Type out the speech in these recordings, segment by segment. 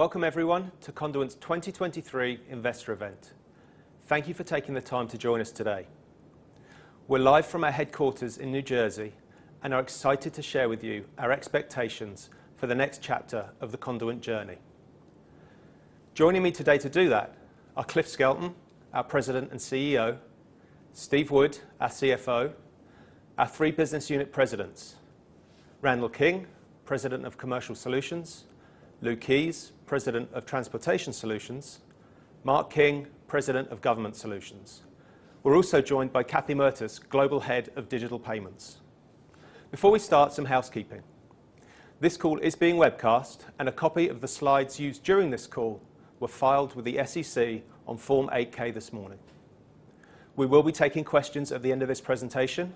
Welcome everyone to Conduent's 2023 Investor Event. Thank you for taking the time to join us today. We're live from our headquarters in New Jersey and are excited to share with you our expectations for the next chapter of the Conduent journey. Joining me today to do that are Cliff Skelton, our President and CEO, Steve Wood, our CFO, our three business unit presidents, Randall King, President of Commercial Solutions, Lou Keyes, President of Transportation Solutions, Mark King, President of Government Solutions. We're also joined by Kathy Mertes, Global Head of Digital Payments. Before we start, some housekeeping. This call is being webcast. A copy of the slides used during this call were filed with the SEC on Form 8-K this morning. We will be taking questions at the end of this presentation.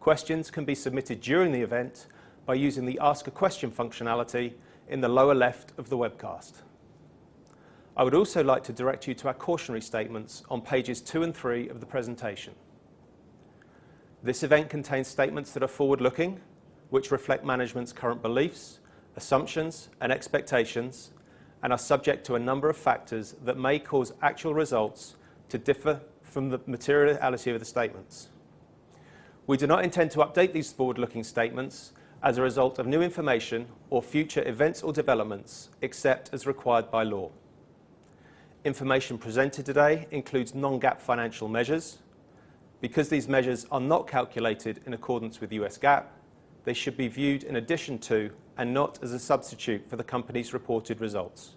Questions can be submitted during the event by using the Ask a Question functionality in the lower left of the webcast. I would also like to direct you to our cautionary statements on pages 2 and 3 of the presentation. This event contains statements that are forward-looking, which reflect management's current beliefs, assumptions, and expectations, and are subject to a number of factors that may cause actual results to differ from the materiality of the statements. We do not intend to update these forward-looking statements as a result of new information or future events or developments except as required by law. Information presented today includes non-GAAP financial measures. Because these measures are not calculated in accordance with U.S. GAAP, they should be viewed in addition to and not as a substitute for the company's reported results.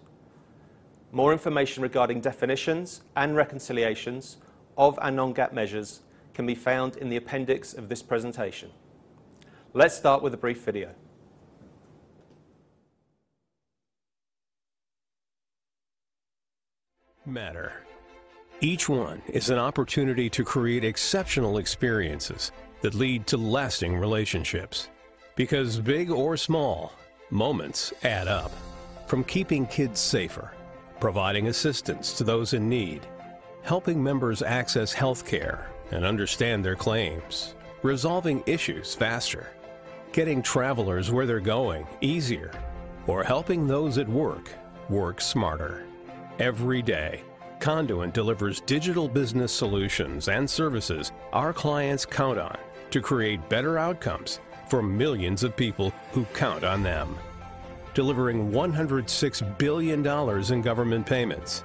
More information regarding definitions and reconciliations of our non-GAAP measures can be found in the appendix of this presentation. Let's start with a brief video. Matter. Each one is an opportunity to create exceptional experiences that lead to lasting relationships because big or small, moments add up. From keeping kids safer, providing assistance to those in need, helping members access healthcare and understand their claims, resolving issues faster, getting travelers where they're going easier, or helping those at work work smarter. Every day, Conduent delivers digital business solutions and services our clients count on to create better outcomes for millions of people who count on them. Delivering $106 billion in government payments,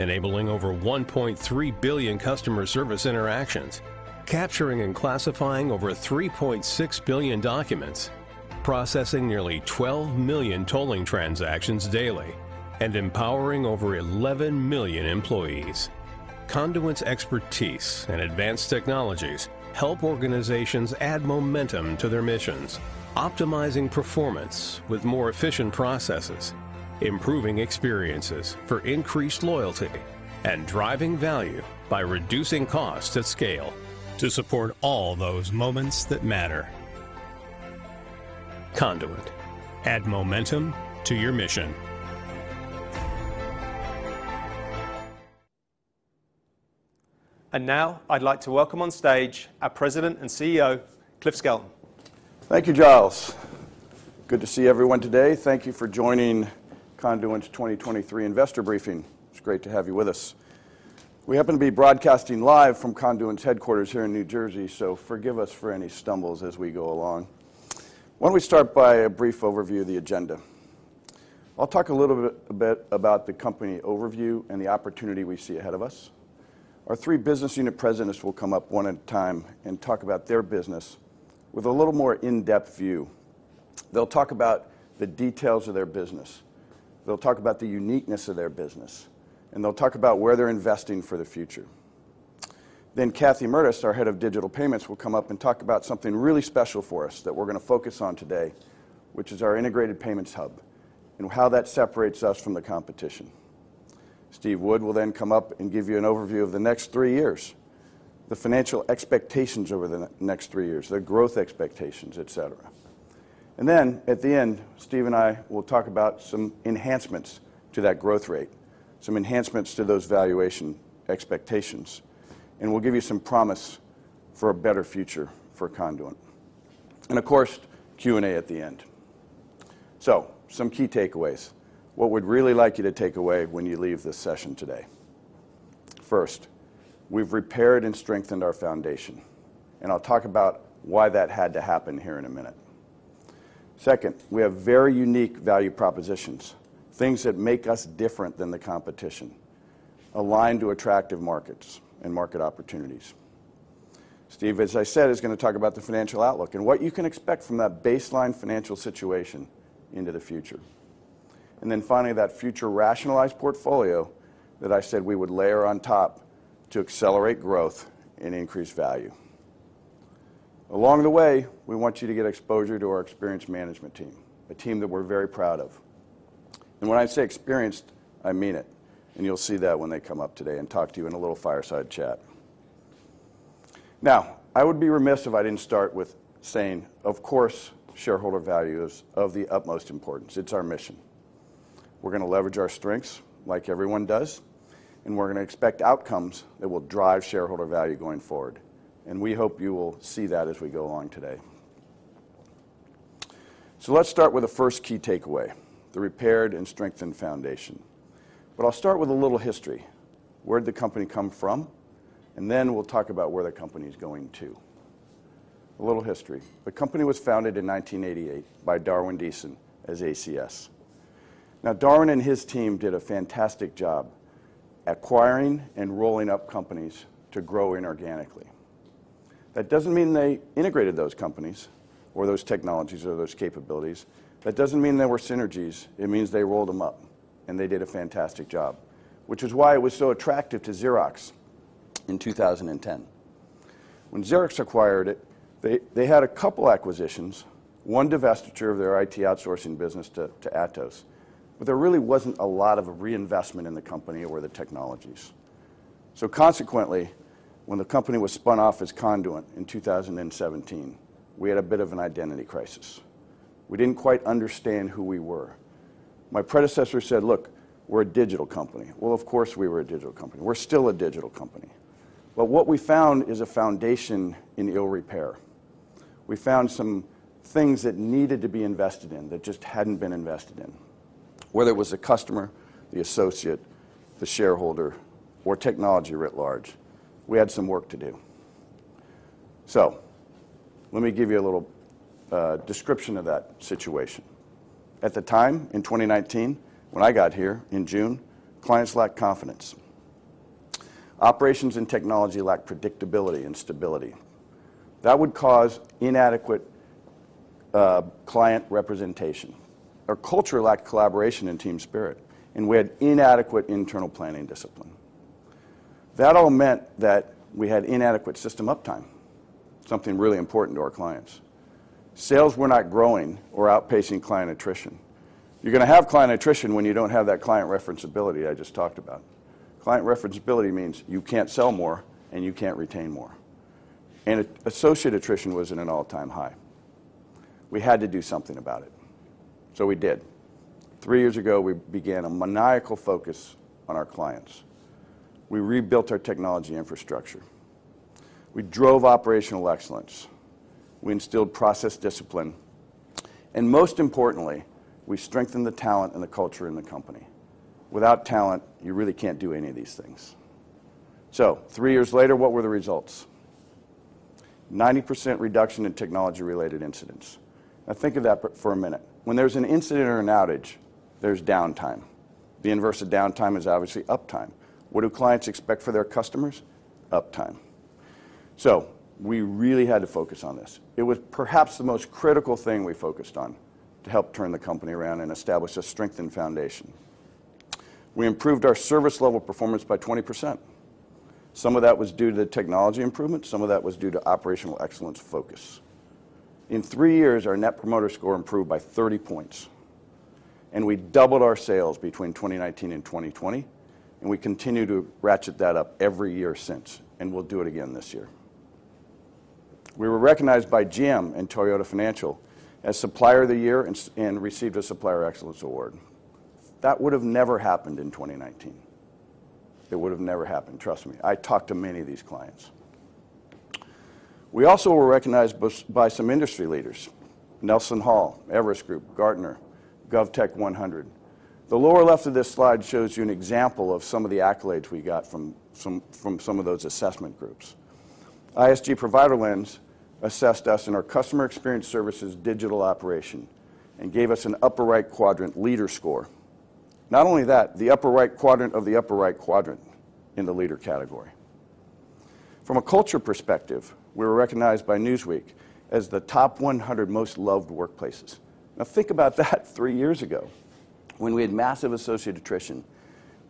enabling over 1.3 billion customer service interactions, capturing and classifying over 3.6 billion documents, processing nearly 12 million tolling transactions daily, and empowering over 11 million employees. Conduent's expertise and advanced technologies help organizations add momentum to their missions, optimizing performance with more efficient processes, improving experiences for increased loyalty, and driving value by reducing costs at scale to support all those moments that matter. Conduent. Add momentum to your mission. Now I'd like to welcome on stage our President and CEO, Cliff Skelton. Thank you, Giles. Good to see everyone today. Thank you for joining Conduent's 2023 Investor Briefing. It's great to have you with us. We happen to be broadcasting live from Conduent's headquarters here in New Jersey, so forgive us for any stumbles as we go along. Why don't we start by a brief overview of the agenda? I'll talk a bit about the company overview and the opportunity we see ahead of us. Our three business unit presidents will come up one at a time and talk about their business with a little more in-depth view. They'll talk about the details of their business. They'll talk about the uniqueness of their business, and they'll talk about where they're investing for the future. Kathy Mertes, our Head of Digital Payments, will come up and talk about something really special for us that we're going to focus on today, which is our integrated payments hub and how that separates us from the competition. Steve Wood will come up and give you an overview of the next three years, the financial expectations over the next three years, the growth expectations, et cetera. At the end, Steve and I will talk about some enhancements to that growth rate, some enhancements to those valuation expectations, and we'll give you some promise for a better future for Conduent. Of course, Q&A at the end. Some key takeaways. What we'd really like you to take away when you leave this session today. First, we've repaired and strengthened our foundation, and I'll talk about why that had to happen here in a minute. Second, we have very unique value propositions, things that make us different than the competition, aligned to attractive markets and market opportunities. Steve, as I said, is going to talk about the financial outlook and what you can expect from that baseline financial situation into the future. Finally, that future rationalized portfolio that I said we would layer on top to accelerate growth and increase value. Along the way, we want you to get exposure to our experienced management team, a team that we're very proud of. When I say experienced, I mean it, and you'll see that when they come up today and talk to you in a little fireside chat. I would be remiss if I didn't start with saying, of course, shareholder value is of the utmost importance. It's our mission. We're going to leverage our strengths like everyone does, and we're going to expect outcomes that will drive shareholder value going forward. We hope you will see that as we go along today. Let's start with the first key takeaway, the repaired and strengthened foundation. I'll start with a little history. Where'd the company come from? We'll talk about where the company's going to. A little history. The company was founded in 1988 by Darwin Deason as ACS. Now, Darwin and his team did a fantastic job acquiring and rolling up companies to grow inorganically. That doesn't mean they integrated those companies or those technologies or those capabilities. That doesn't mean there were synergies. It means they rolled them up, and they did a fantastic job, which is why it was so attractive to Xerox in 2010. When Xerox acquired it, they had a couple acquisitions, one divestiture of their IT outsourcing business to Atos, but there really wasn't a lot of reinvestment in the company or the technologies. Consequently, when the company was spun off as Conduent in 2017, we had a bit of an identity crisis. We didn't quite understand who we were. My predecessor said, "Look, we're a digital company." Well, of course, we were a digital company. We're still a digital company. What we found is a foundation in ill repair. We found some things that needed to be invested in that just hadn't been invested in. Whether it was the customer, the associate, the shareholder, or technology writ large, we had some work to do. Let me give you a little description of that situation. At the time, in 2019, when I got here in June, clients lacked confidence. Operations and technology lacked predictability and stability. That would cause inadequate client representation. Our culture lacked collaboration and team spirit, and we had inadequate internal planning discipline. That all meant that we had inadequate system uptime, something really important to our clients. Sales were not growing or outpacing client attrition. You're gonna have client attrition when you don't have that client referenceability I just talked about. Client referenceability means you can't sell more and you can't retain more. Associate attrition was at an all-time high. We had to do something about it, so we did. Three years ago, we began a maniacal focus on our clients. We rebuilt our technology infrastructure. We drove operational excellence. We instilled process discipline. Most importantly, we strengthened the talent and the culture in the company. Without talent, you really can't do any of these things. Three years later, what were the results? 90% reduction in technology-related incidents. Now think of that for a minute. When there's an incident or an outage, there's downtime. The inverse of downtime is obviously uptime. What do clients expect for their customers? Uptime. We really had to focus on this. It was perhaps the most critical thing we focused on to help turn the company around and establish a strengthened foundation. We improved our service level performance by 20%. Some of that was due to technology improvement. Some of that was due to operational excellence focus. In three years, our net promoter score improved by 30 points. We doubled our sales between 2019 and 2020. We continue to ratchet that up every year since. We'll do it again this year. We were recognized by GM and Toyota Financial as Supplier of the Year and received a Supplier Excellence Award. That would have never happened in 2019. It would have never happened, trust me. I talked to many of these clients. We also were recognized by some industry leaders, NelsonHall, Everest Group, Gartner, GovTech 100. The lower left of this slide shows you an example of some of the accolades we got from some of those assessment groups. ISG Provider Lens assessed us in our customer experience services digital operation and gave us an upper right quadrant leader score. Not only that, the upper right quadrant of the upper right quadrant in the leader category. From a culture perspective, we were recognized by Newsweek as the top 100 most loved workplaces. Now think about that three years ago when we had massive associate attrition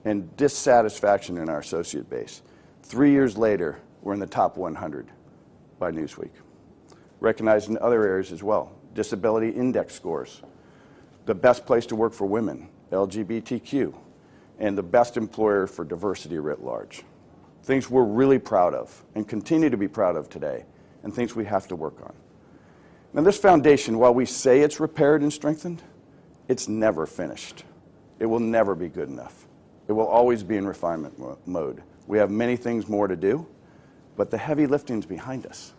and dissatisfaction in our associate base. Three years later, we're in the top 100 by Newsweek. Recognized in other areas as well, disability index scores, the best place to work for women, LGBTQ, and the best employer for diversity writ large. Things we're really proud of and continue to be proud of today, and things we have to work on. Now, this foundation, while we say it's repaired and strengthened, it's never finished. It will never be good enough. It will always be in refinement mode. We have many things more to do, but the heavy lifting's behind us.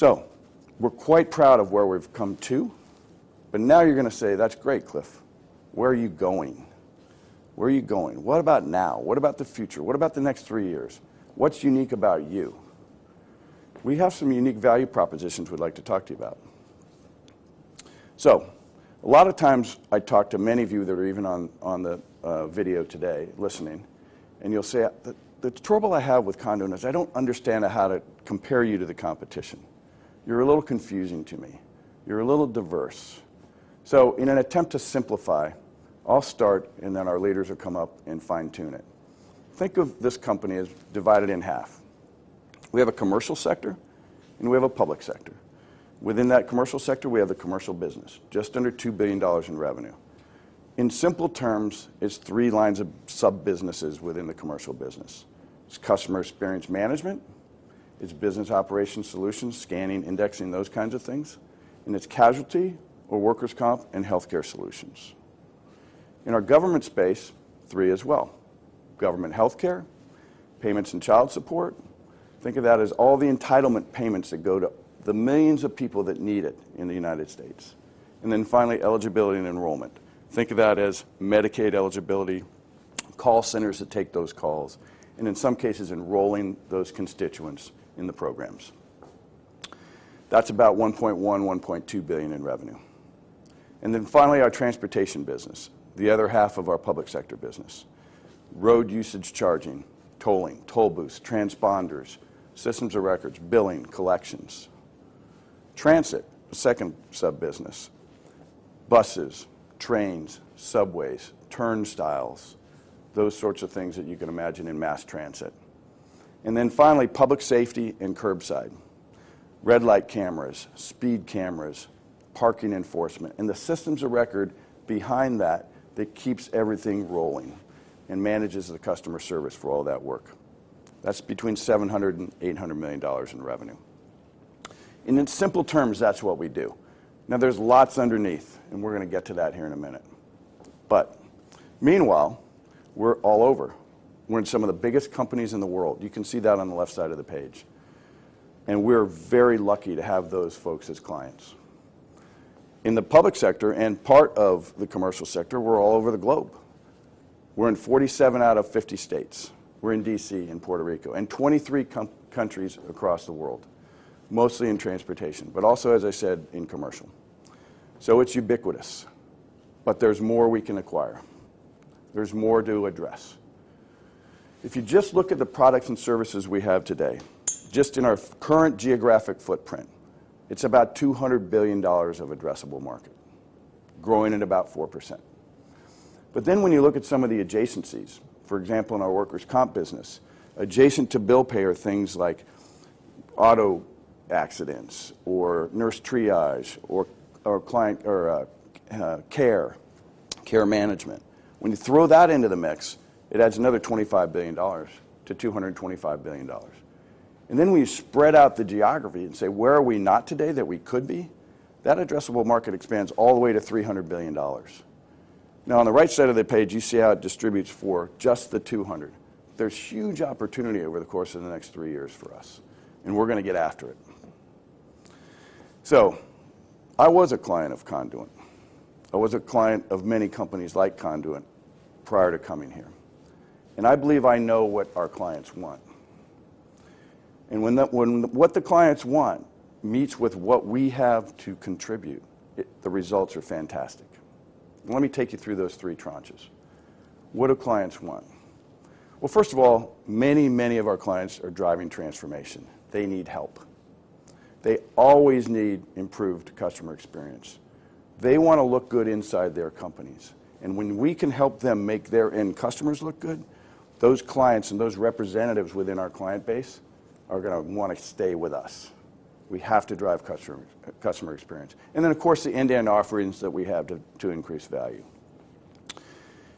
We're quite proud of where we've come to. Now you're gonna say, "That's great, Cliff. Where are you going? Where are you going? What about now? What about the future? What about the next three years? What's unique about you?" We have some unique value propositions we'd like to talk to you about. A lot of times I talk to many of you that are even on the video today listening, and you'll say, "The trouble I have with Conduent is I don't understand how to compare you to the competition. You're a little confusing to me. You're a little diverse." In an attempt to simplify, I'll start, and then our leaders will come up and fine-tune it. Think of this company as divided in half. We have a commercial sector, and we have a public sector. Within that commercial sector, we have the commercial business, just under $2 billion in revenue. In simple terms, it's three lines of sub-businesses within the commercial business. It's customer experience management, it's business operations solutions, scanning, indexing, those kinds of things, and it's casualty or workers' comp and healthcare solutions. In our government space, three as well. Government healthcare, payments and child support. Think of that as all the entitlement payments that go to the millions of people that need it in the United States. Finally, eligibility and enrollment. Think of that as Medicaid eligibility, call centers that take those calls, and in some cases, enrolling those constituents in the programs. That's about $1.1 billion-$1.2 billion in revenue. Finally, our transportation business, the other half of our public sector business. Road usage charging, tolling, toll booths, transponders, systems of records, billing, collections. Transit, the 2nd sub-business. Buses, trains, subways, turnstiles, those sorts of things that you can imagine in mass transit. Finally, public safety and curbside. Red light cameras, speed cameras, parking enforcement, and the systems of record behind that that keeps everything rolling and manages the customer service for all that work. That's between $700 million and $800 million in revenue. In simple terms, that's what we do. Now, there's lots underneath, and we're gonna get to that here in a minute. Meanwhile, we're all over. We're in some of the biggest companies in the world. You can see that on the left side of the page. We're very lucky to have those folks as clients. In the public sector and part of the commercial sector, we're all over the globe. We're in 47 out of 50 states. We're in D.C. and Puerto Rico, and 23 countries across the world, mostly in transportation, but also, as I said, in commercial. It's ubiquitous, but there's more we can acquire. There's more to address. If you just look at the products and services we have today, just in our current geographic footprint, it's about $200 billion of addressable market, growing at about 4%. When you look at some of the adjacencies, for example, in our workers' comp business, adjacent to bill payer things like auto accidents or nurse triage or client or care management, when you throw that into the mix, it adds another $25 billion-$225 billion. We spread out the geography and say, "Where are we not today that we could be?" That addressable market expands all the way to $300 billion. On the right side of the page, you see how it distributes for just the 200. There's huge opportunity over the course of the next three years for us, and we're gonna get after it. I was a client of Conduent. I was a client of many companies like Conduent prior to coming here, and I believe I know what our clients want. When what the clients want meets with what we have to contribute, the results are fantastic. Let me take you through those three tranches. What do clients want? Well, first of all, many, many of our clients are driving transformation. They need help. They always need improved customer experience. They wanna look good inside their companies. When we can help them make their end customers look good, those clients and those representatives within our client base are gonna wanna stay with us. We have to drive customer experience. Of course, the end-to-end offerings that we have to increase value.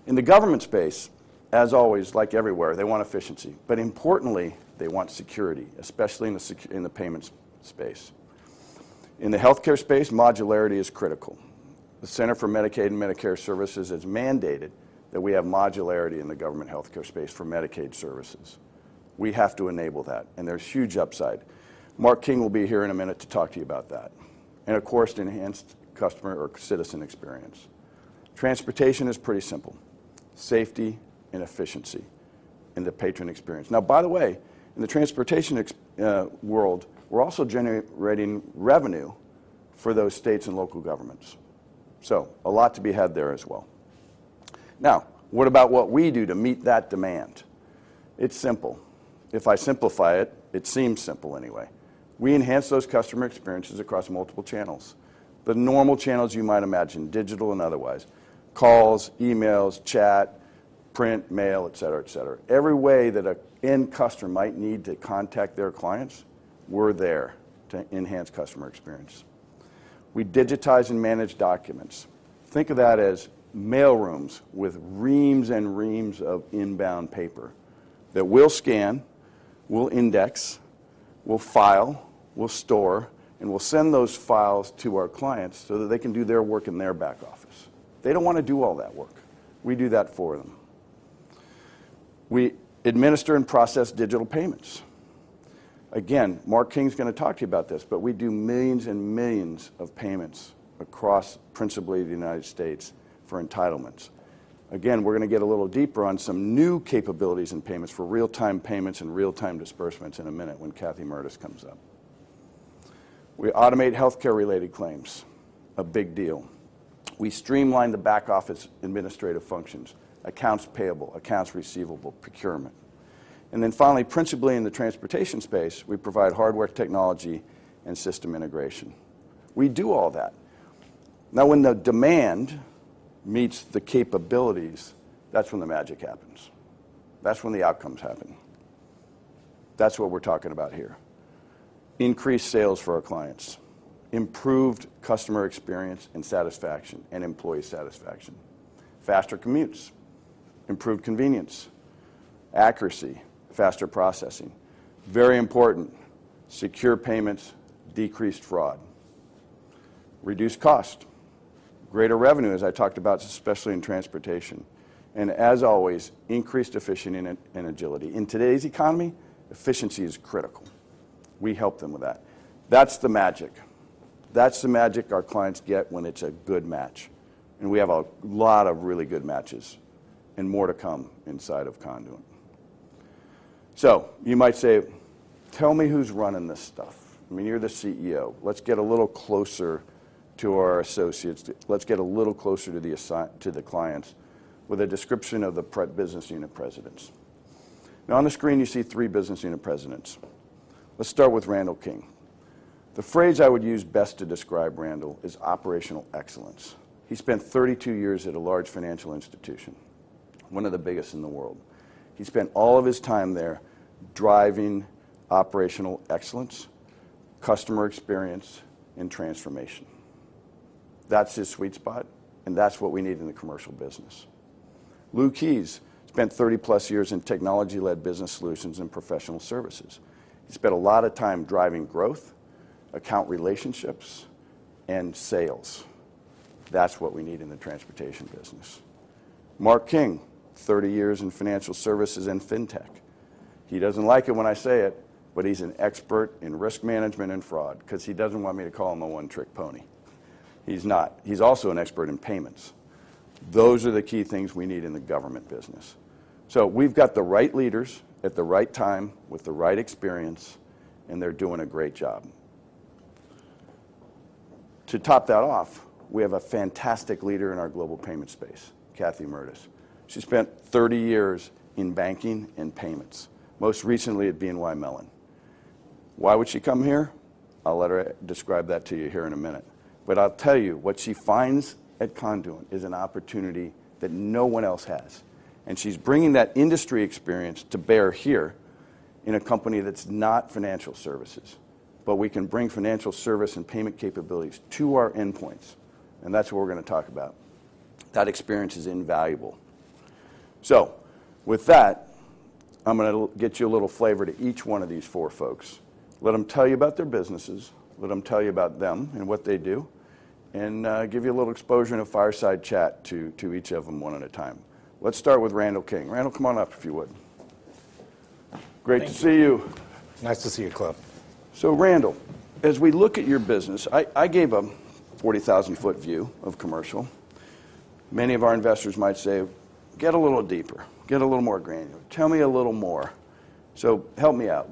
In the government space, as always, like everywhere, they want efficiency, but importantly, they want security, especially in the payments space. In the healthcare space, modularity is critical. The Centers for Medicare & Medicaid Services has mandated that we have modularity in the government healthcare space for Medicaid services. We have to enable that, and there's huge upside. Mark King will be here in a minute to talk to you about that. Of course, to enhance customer or citizen experience. Transportation is pretty simple, safety and efficiency, and the patron experience. By the way, in the transportation world, we're also generating revenue for those states and local governments. A lot to be had there as well. What about what we do to meet that demand? It's simple. If I simplify it seems simple anyway. We enhance those customer experiences across multiple channels. The normal channels you might imagine, digital and otherwise, calls, emails, chat, print, mail, et cetera, et cetera. Every way that a end customer might need to contact their clients, we're there to enhance customer experience. We digitize and manage documents. Think of that as mailrooms with reams and reams of inbound paper that we'll scan, we'll index, we'll file, we'll store, and we'll send those files to our clients so that they can do their work in their back office. They don't wanna do all that work. We do that for them. We administer and process digital payments. Again, Mark King's gonna talk to you about this, but we do millions and millions of payments across principally the United States for entitlements. We're going to get a little deeper on some new capabilities and payments for real-time payments and real-time disbursements in a minute when Kathy Mertes comes up. We automate healthcare-related claims, a big deal. We streamline the back office administrative functions, accounts payable, accounts receivable, procurement. Finally, principally in the transportation space, we provide hardware technology and system integration. We do all that. When the demand meets the capabilities, that's when the magic happens. That's when the outcomes happen. That's what we're talking about here. Increased sales for our clients. Improved customer experience and satisfaction and employee satisfaction. Faster commutes. Improved convenience, accuracy, faster processing. Very important, secure payments, decreased fraud, reduced cost, greater revenue, as I talked about, especially in transportation, and as always, increased efficiency and agility. In today's economy, efficiency is critical. We help them with that. That's the magic. That's the magic our clients get when it's a good match, and we have a lot of really good matches and more to come inside of Conduent. You might say, "Tell me who's running this stuff. I mean, you're the CEO." Let's get a little closer to our associates. Let's get a little closer to the clients with a description of the business unit presidents. On the screen, you see three business unit presidents. Let's start with Randall King. The phrase I would use best to describe Randall is operational excellence. He spent 32 years at a large financial institution, one of the biggest in the world. He spent all of his time there driving operational excellence, customer experience, and transformation. That's his sweet spot, and that's what we need in the commercial business. Lou Keyes spent 30+ years in technology-led business solutions and professional services. He spent a lot of time driving growth, account relationships, and sales. That's what we need in the transportation business. Mark King, 30 years in financial services and fintech. He doesn't like it when I say it, but he's an expert in risk management and fraud 'cause he doesn't want me to call him a one-trick pony. He's not. He's also an expert in payments. Those are the key things we need in the government business. We've got the right leaders at the right time with the right experience, and they're doing a great job. To top that off, we have a fantastic leader in our global payment space, Kathy Mertes. She spent 30 years in banking and payments, most recently at BNY Mellon. Why would she come here? I'll let her describe that to you here in a minute, but I'll tell you what she finds at Conduent is an opportunity that no one else has, and she's bringing that industry experience to bear here in a company that's not financial services. We can bring financial service and payment capabilities to our endpoints, and that's what we're gonna talk about. That experience is invaluable. With that, I'm gonna get you a little flavor to each one of these four folks, let them tell you about their businesses, let them tell you about them and what they do, and give you a little exposure and a fireside chat to each of them one at a time. Let's start with Randall King. Randall, come on up if you would. Thank you. Great to see you. Nice to see you, Cliff. Randall, as we look at your business, I gave a 40,000-foot view of commercial. Many of our investors might say, "Get a little deeper, get a little more granular. Tell me a little more." Help me out.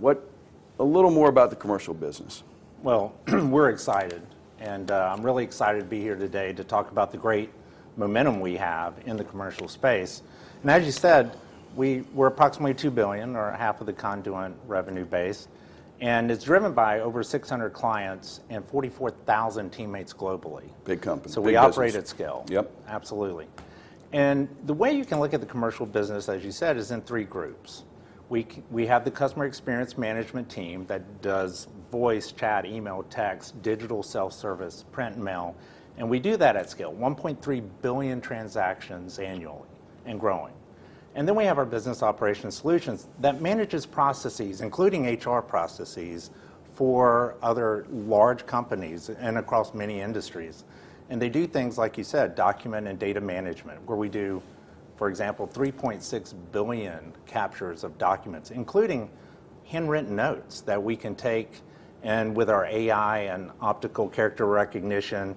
A little more about the commercial business. Well, we're excited, and I'm really excited to be here today to talk about the great momentum we have in the commercial space. As you said, we're approximately $2 billion or half of the Conduent revenue base, and it's driven by over 600 clients and 44,000 teammates globally. Big company. Big business. We operate at scale. Yep. Absolutely. The way you can look at the commercial business, as you said, is in three groups. We have the customer experience management team that does voice, chat, email, text, digital self-service, print, mail, and we do that at scale, 1.3 billion transactions annually and growing. Then we have our business operations solutions that manages processes, including HR processes for other large companies and across many industries. They do things like you said, document and data management, where we do, for example, 3.6 billion captures of documents, including handwritten notes that we can take. With our AI and optical character recognition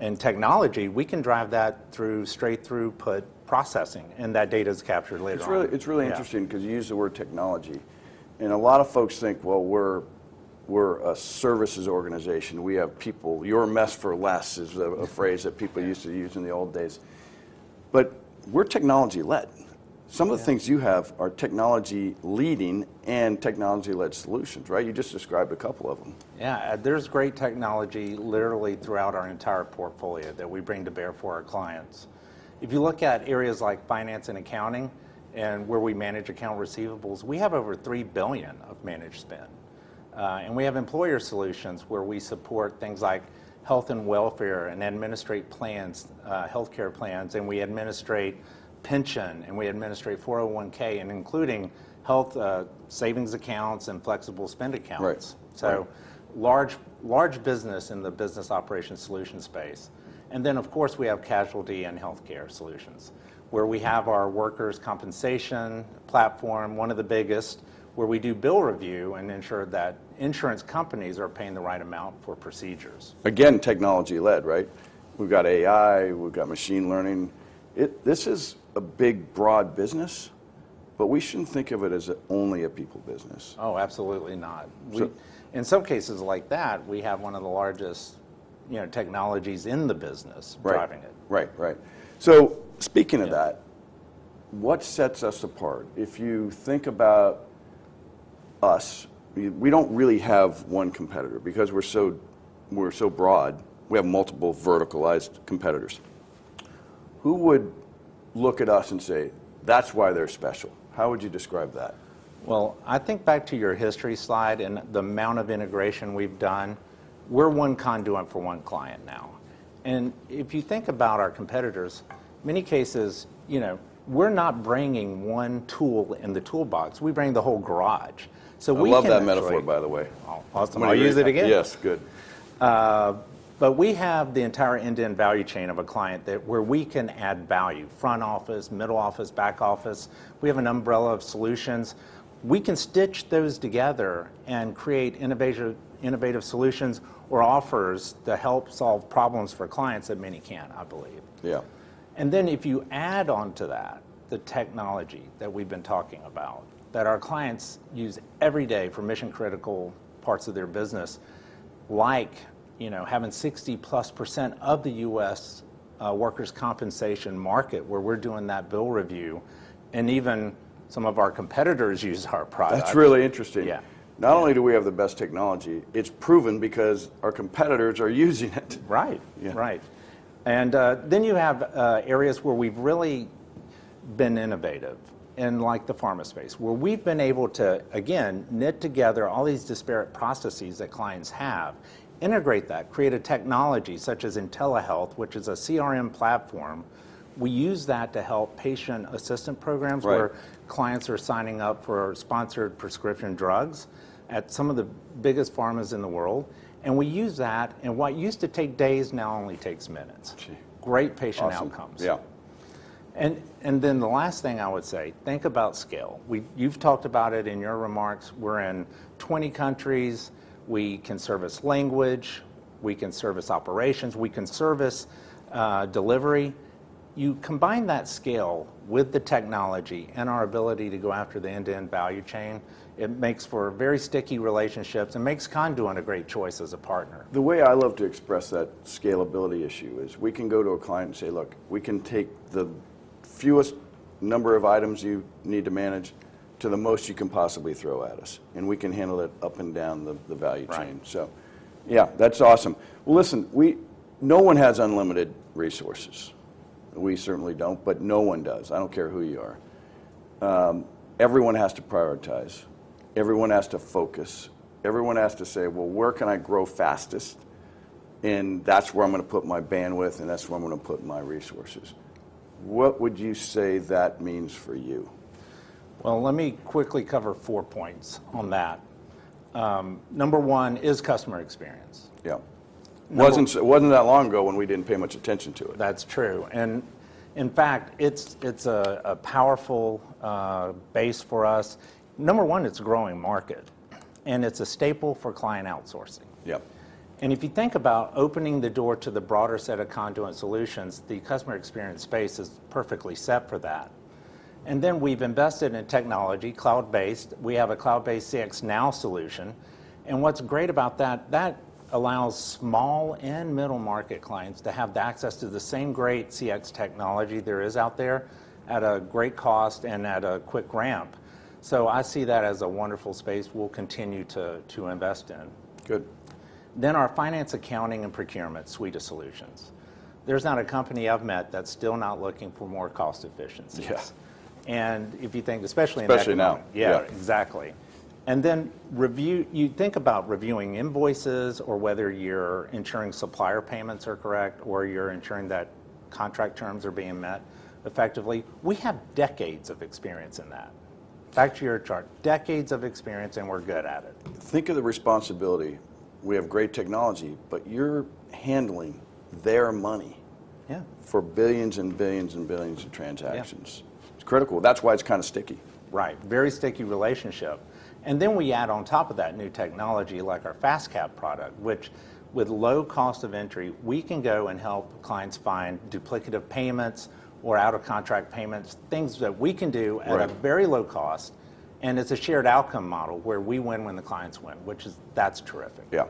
and technology, we can drive that through straight-through put processing. That data is captured later on. It's really interesting. Yeah... 'cause you use the word technology, and a lot of folks think, well, we're a services organization. We have people. "You're a mess for less" is a phrase that people used to use in the old days, but we're technology-led. Yeah. Some of the things you have are technology leading and technology-led solutions, right? You just described a couple of them. Yeah. There's great technology literally throughout our entire portfolio that we bring to bear for our clients. If you look at areas like finance and accounting and where we manage account receivables, we have over $3 billion of managed spend. We have employer solutions where we support things like health and welfare and administrate plans, healthcare plans, and we administrate pension, and we administrate 401(k), and including health savings accounts and flexible spend accounts. Right. Right. Large business in the business operations solution space. Of course, we have casualty and healthcare solutions where we have our workers' compensation platform, one of the biggest, where we do bill review and ensure that insurance companies are paying the right amount for procedures. Technology-led, right? We've got AI. We've got machine learning. This is a big, broad business, but we shouldn't think of it as only a people business. Oh, absolutely not. In some cases like that, we have one of the largest, you know, technologies in the business. Right... driving it. Right. Right. Speaking of that... Yeah What sets us apart? If you think about us, we don't really have one competitor. We're so broad, we have multiple verticalized competitors. Who would look at us and say, "That's why they're special"? How would you describe that? Well, I think back to your history slide and the amount of integration we've done. We're one Conduent for one client now. If you think about our competitors, many cases, you know, we're not bringing one tool in the toolbox, we bring the whole garage. I love that metaphor, by the way. Oh, awesome. I'll use it again. Yes. Good. We have the entire end-to-end value chain of a client that where we can add value. Front office, middle office, back office. We have an umbrella of solutions. We can stitch those together and create innovative solutions or offers to help solve problems for clients that many can't, I believe. Yeah. If you add on to that the technology that we've been talking about, that our clients use every day for mission-critical parts of their business, like, you know, having 60%+ of the U.S. workers' compensation market where we're doing that bill review, and even some of our competitors use our products. That's really interesting. Yeah. Not only do we have the best technology, it's proven because our competitors are using it. Right. Right. Yeah. You have areas where we've really been innovative in, like, the pharma space, where we've been able to, again, knit together all these disparate processes that clients have, integrate that, create a technology such as IntelliHealth, which is a CRM platform. We use that to help patient assistant programs- Right... where clients are signing up for sponsored prescription drugs at some of the biggest pharms in the world. We use that, and what used to take days now only takes minutes. Great patient outcomes. Awesome. Yeah. Then the last thing I would say, think about scale. You've talked about it in your remarks. We're in 20 countries. We can service language, we can service operations, we can service delivery. You combine that scale with the technology and our ability to go after the end-to-end value chain, it makes for very sticky relationships and makes Conduent a great choice as a partner. The way I love to express that scalability issue is we can go to a client and say, "Look, we can take the fewest number of items you need to manage to the most you can possibly throw at us, and we can handle it up and down the value chain. Right. Yeah, that's awesome. Listen, no one has unlimited resources. We certainly don't, but no one does. I don't care who you are. Everyone has to prioritize. Everyone has to focus. Everyone has to say, "Well, where can I grow fastest? That's where I'm gonna put my bandwidth and that's where I'm gonna put my resources." What would you say that means for you? Well, let me quickly cover four points on that. Number one is customer experience. Yeah. Number- Wasn't that long ago when we didn't pay much attention to it. That's true. In fact, it's a powerful base for us. Number one, it's a growing market, and it's a staple for client outsourcing. Yeah. If you think about opening the door to the broader set of Conduent solutions, the customer experience space is perfectly set for that. Then we've invested in technology, cloud-based. We have a cloud-based CXNow solution, and what's great about that allows small and middle market clients to have the access to the same great CX technology there is out there at a great cost and at a quick ramp. I see that as a wonderful space we'll continue to invest in. Good. Our finance, accounting, and procurement suite of solutions. There's not a company I've met that's still not looking for more cost efficiencies. Yeah. If you think, especially in that point. Especially now. Yeah. Yeah. Exactly. You think about reviewing invoices or whether you're ensuring supplier payments are correct or you're ensuring that contract terms are being met effectively, we have decades of experience in that. Back to your chart, decades of experience, and we're good at it. Think of the responsibility. We have great technology, but you're handling their money- Yeah for billions and billions and billions of transactions. Yeah. It's critical. That's why it's kind of sticky. Right. Very sticky relationship. Then we add on top of that new technology like our FastCap product, which with low cost of entry, we can go and help clients find duplicative payments or out of contract payments. Right... at a very low cost, and it's a shared outcome model where we win when the clients win, which is... that's terrific. Yeah.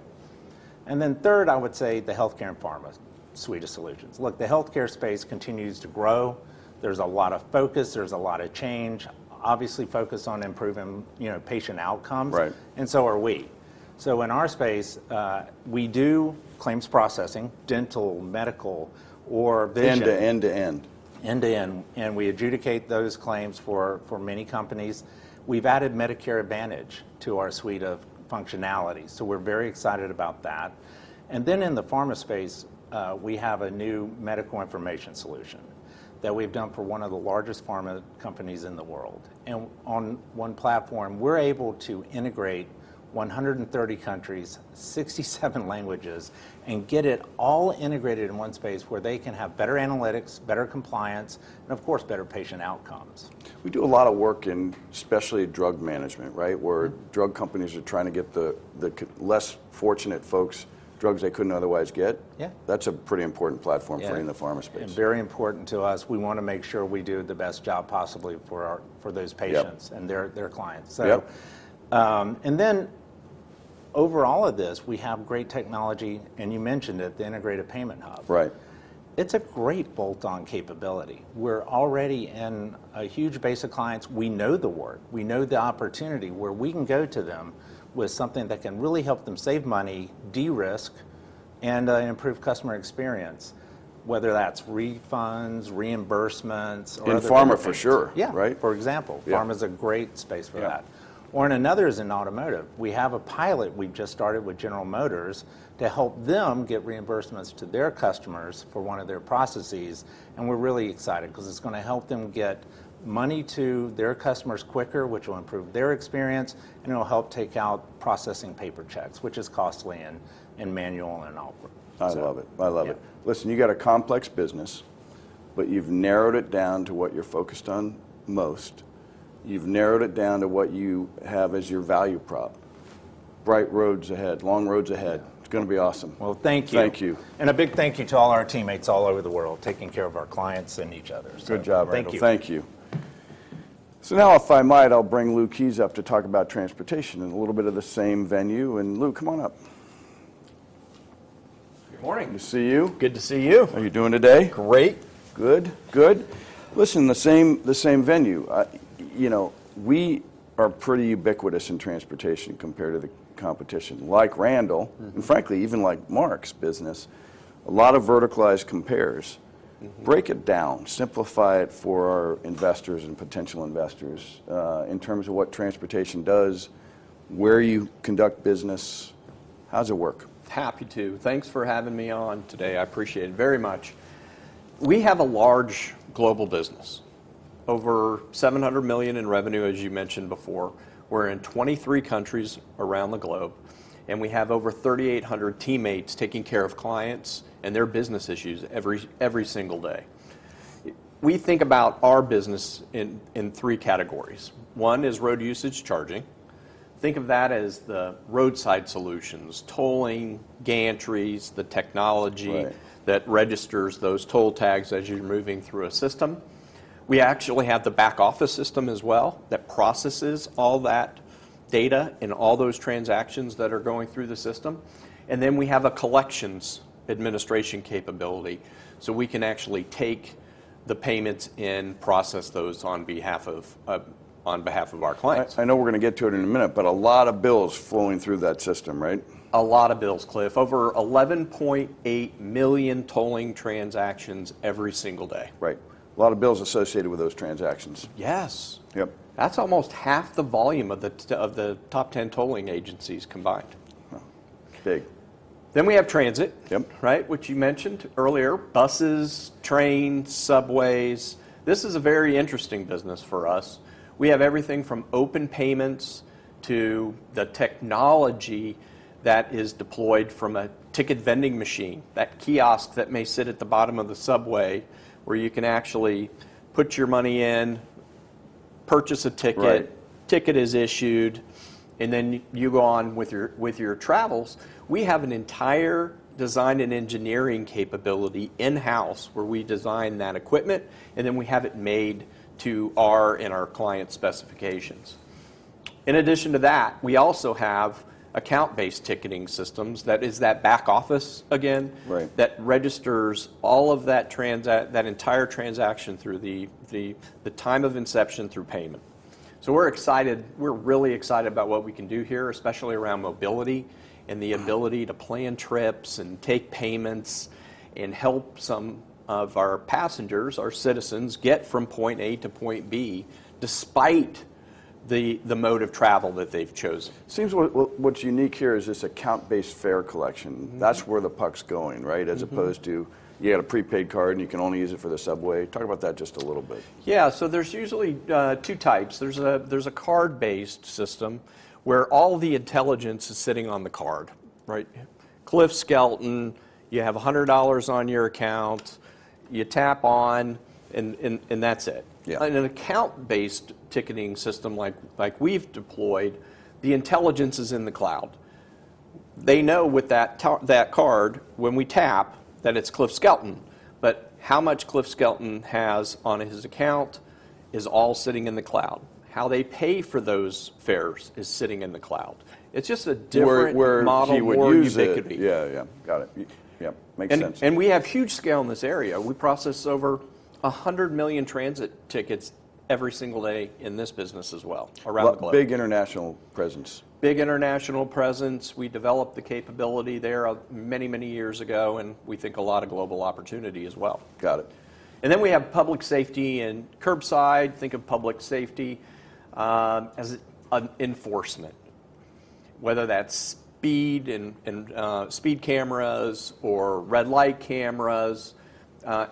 Third, I would say the healthcare and pharma suite of solutions. Look, the healthcare space continues to grow. There's a lot of focus. There's a lot of change. Obviously, focus on improving, you know, patient outcomes. Right. Are we. In our space, we do claims processing, dental, medical, or vision. End to end. End to end. We adjudicate those claims for many companies. We've added Medicare Advantage to our suite of functionality, so we're very excited about that. In the pharma space, we have a new medical information solution that we've done for one of the largest pharma companies in the world. On one platform, we're able to integrate 130 countries, 67 languages, and get it all integrated in one space where they can have better analytics, better compliance, and of course, better patient outcomes. We do a lot of work in specialty drug management, right? Where drug companies are trying to get less fortunate folks drugs they couldn't otherwise get. Yeah. That's a pretty important platform- Yeah... for you in the pharma space. Very important to us. We wanna make sure we do the best job possibly for those patients. Yep and their clients. Yep. Over all of this, we have great technology, and you mentioned it, the Digital Integrated Payments Hub. Right. It's a great bolt-on capability. We're already in a huge base of clients. We know the work. We know the opportunity where we can go to them with something that can really help them save money, de-risk, and improve customer experience. Whether that's refunds, reimbursements, or other benefits. In pharma for sure. Yeah. Right? For example. Yeah. Pharma's a great space for that. Yeah. In another is in automotive. We have a pilot we've just started with General Motors to help them get reimbursements to their customers for one of their processes, and we're really excited 'cause it's gonna help them get money to their customers quicker, which will improve their experience, and it'll help take out processing paper checks, which is costly and manual and awkward. I love it. I love it. Yeah. Listen, you got a complex business, but you've narrowed it down to what you're focused on most. You've narrowed it down to what you have as your value prop. Bright roads ahead. Long roads ahead. Yeah. It's gonna be awesome. Well, thank you. Thank you. A big thank you to all our teammates all over the world, taking care of our clients and each other. Good job, Randall. thank you. Thank you. Now if I might, I'll bring Lou Keyes up to talk about transportation in a little bit of the same venue. Lou, come on up. Good morning. Good to see you. Good to see you. How you doing today? Great. Good. Listen, the same venue. I, you know, we are pretty ubiquitous in transportation compared to the competition. frankly, even like Mark's business, a lot of verticalized compares. Break it down. Simplify it for our investors and potential investors, in terms of what transportation does, where you conduct business. How's it work? Happy to. Thanks for having me on today. I appreciate it very much. We have a large global business. Over $700 million in revenue, as you mentioned before. We're in 23 countries around the globe, and we have over 3,800 teammates taking care of clients and their business issues every single day. We think about our business in three categories. One is road usage charging. Think of that as the roadside solutions, tolling, gantries, the technology- Right... that registers those toll tags as you're moving through a system. We actually have the back office system as well that processes all that data and all those transactions that are going through the system. Then we have a collections administration capability, so we can actually take the payments and process those on behalf of our clients. I know we're gonna get to it in a minute, but a lot of bills flowing through that system, right? A lot of bills, Cliff. Over 11.8 million tolling transactions every single day. Right. A lot of bills associated with those transactions. Yes. Yep. That's almost half the volume of the top ten tolling agencies combined. Wow. Big. We have transit. Yep. Right? Which you mentioned earlier. Buses, trains, subways. This is a very interesting business for us. We have everything from open payments to the technology that is deployed from a ticket vending machine, that kiosk that may sit at the bottom of the subway where you can actually put your money in, purchase a ticket... Right... ticket is issued, and then you go on with your travels. We have an entire design and engineering capability in-house where we design that equipment, and then we have it made to our and our clients' specifications. In addition to that, we also have account-based ticketing systems, that is that back office again. Right... that registers all of that entire transaction through the time of inception through payment. We're really excited about what we can do here, especially around mobility and the ability to plan trips and take payments and help some of our passengers, our citizens, get from point A to point B, despite the mode of travel that they've chosen. Seems what's unique here is this account-based fare collection. That's where the puck's going, right? As opposed to you got a prepaid card and you can only use it for the subway. Talk about that just a little bit. There's usually, two types. There's a card-based system where all the intelligence is sitting on the card, right? Yeah. Cliff Skelton, you have $100 on your account. You tap on and that's it. Yeah. In an account-based ticketing system like we've deployed, the intelligence is in the cloud. They know with that card, when we tap, that it's Cliff Skelton, but how much Cliff Skelton has on his account is all sitting in the cloud. How they pay for those fares is sitting in the cloud. It's just a different model for ticketing. Where he would use it. Yeah, yeah. Got it. Yeah. Makes sense. We have huge scale in this area. We process over 100 million transit tickets every single day in this business as well, around the globe. A big international presence. Big international presence. We developed the capability there of many, many years ago. We think a lot of global opportunity as well. Got it. We have public safety and curbside. Think of public safety as an enforcement, whether that's speed and speed cameras or red light cameras.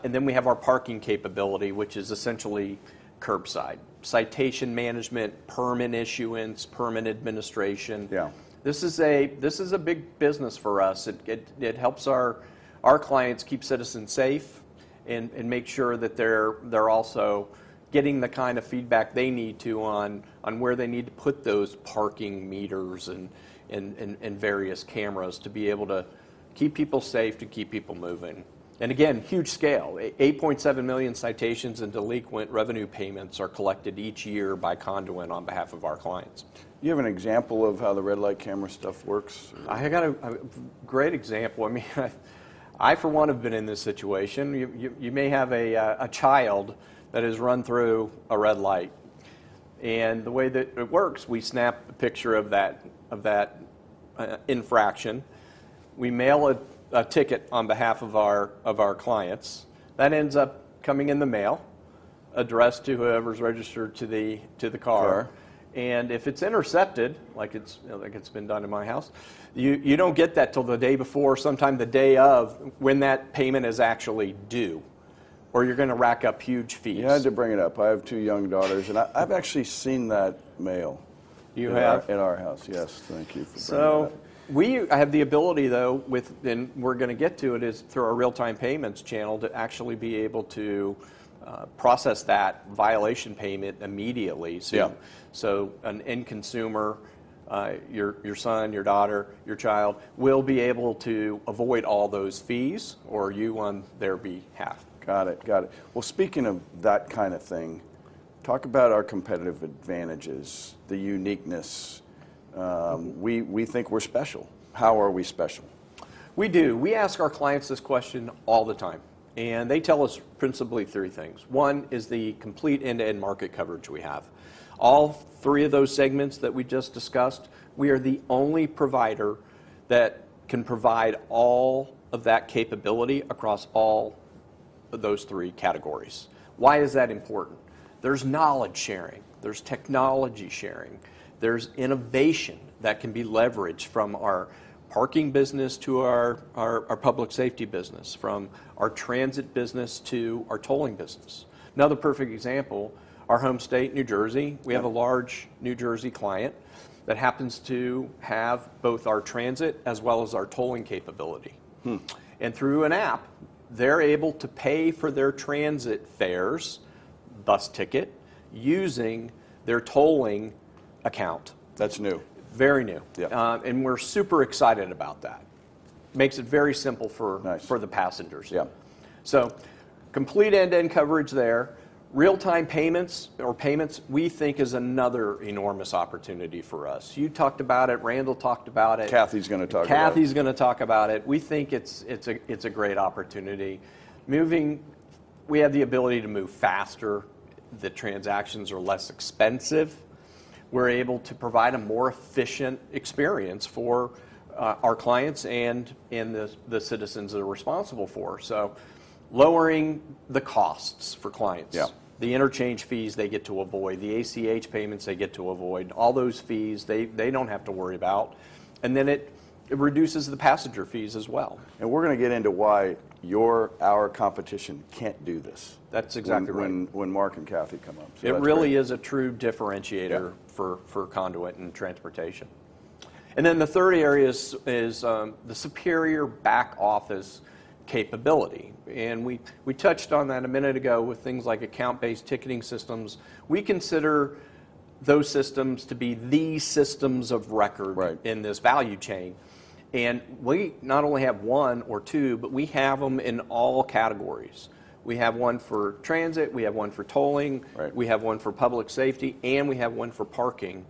We have our parking capability, which is essentially curbside. Citation management, permit issuance, permit administration. Yeah. This is a big business for us. It helps our clients keep citizens safe and make sure that they're also getting the kind of feedback they need to on where they need to put those parking meters and various cameras to be able to keep people safe, to keep people moving. Again, huge scale. 8.7 million citations and delinquent revenue payments are collected each year by Conduent on behalf of our clients. You have an example of how the red light camera stuff works? I got a great example. I mean, I for one have been in this situation. You may have a child that has run through a red light. The way that it works, we snap a picture of that infraction. We mail a ticket on behalf of our clients. That ends up coming in the mail addressed to whoever's registered to the car. Sure. If it's intercepted, like it's, you know, like it's been done at my house, you don't get that till the day before, sometime the day of, when that payment is actually due, or you're gonna rack up huge fees. You had to bring it up. I have two young daughters. I've actually seen that mail- You have? in our house. Yes. Thank you for bringing it up. We have the ability though with and we're gonna get to it, is through our Real-Time Payments channel, to actually be able to process that violation payment immediately. Yeah. An end consumer, your son, your daughter, your child, will be able to avoid all those fees or you on their behalf. Got it. Well, speaking of that kind of thing, talk about our competitive advantages, the uniqueness. We think we're special. How are we special? We do. We ask our clients this question all the time. They tell us principally three things. One is the complete end-to-end market coverage we have. All three of those segments that we just discussed, we are the only provider that can provide all of that capability across all of those three categories. Why is that important? There's knowledge sharing, there's technology sharing, there's innovation that can be leveraged from our parking business to our public safety business, from our transit business to our tolling business. Another perfect example, our home state, New Jersey. Yeah. We have a large New Jersey client that happens to have both our transit as well as our tolling capability. Hmm. Through an app, they're able to pay for their transit fares, bus ticket, using their tolling account. That's new. Very new. Yeah. We're super excited about that. Makes it very simple. Nice... for the passengers. Yeah. Complete end-to-end coverage there. Real-time payments or payments we think is another enormous opportunity for us. You talked about it. Randall talked about it. Kathy's gonna talk about it. Kathy's gonna talk about it. We think it's a great opportunity. Moving, we have the ability to move faster. The transactions are less expensive. We're able to provide a more efficient experience for our clients and the citizens they're responsible for. Lowering the costs for clients. Yeah. The interchange fees they get to avoid, the ACH payments they get to avoid, all those fees, they don't have to worry about, and then it reduces the passenger fees as well. We're gonna get into why your, our competition can't do this. That's exactly right.... when Mark and Kathy come up. That's great. It really is a true differentiator. Yeah... for Conduent and transportation. The third area is the superior back office capability, and we touched on that a minute ago with things like account-based ticketing systems. We consider those systems to be the systems of record. Right... in this value chain. We not only have one or two, but we have them in all categories. We have one for transit, we have one for tolling... Right... we have one for public safety, and we have one for parking,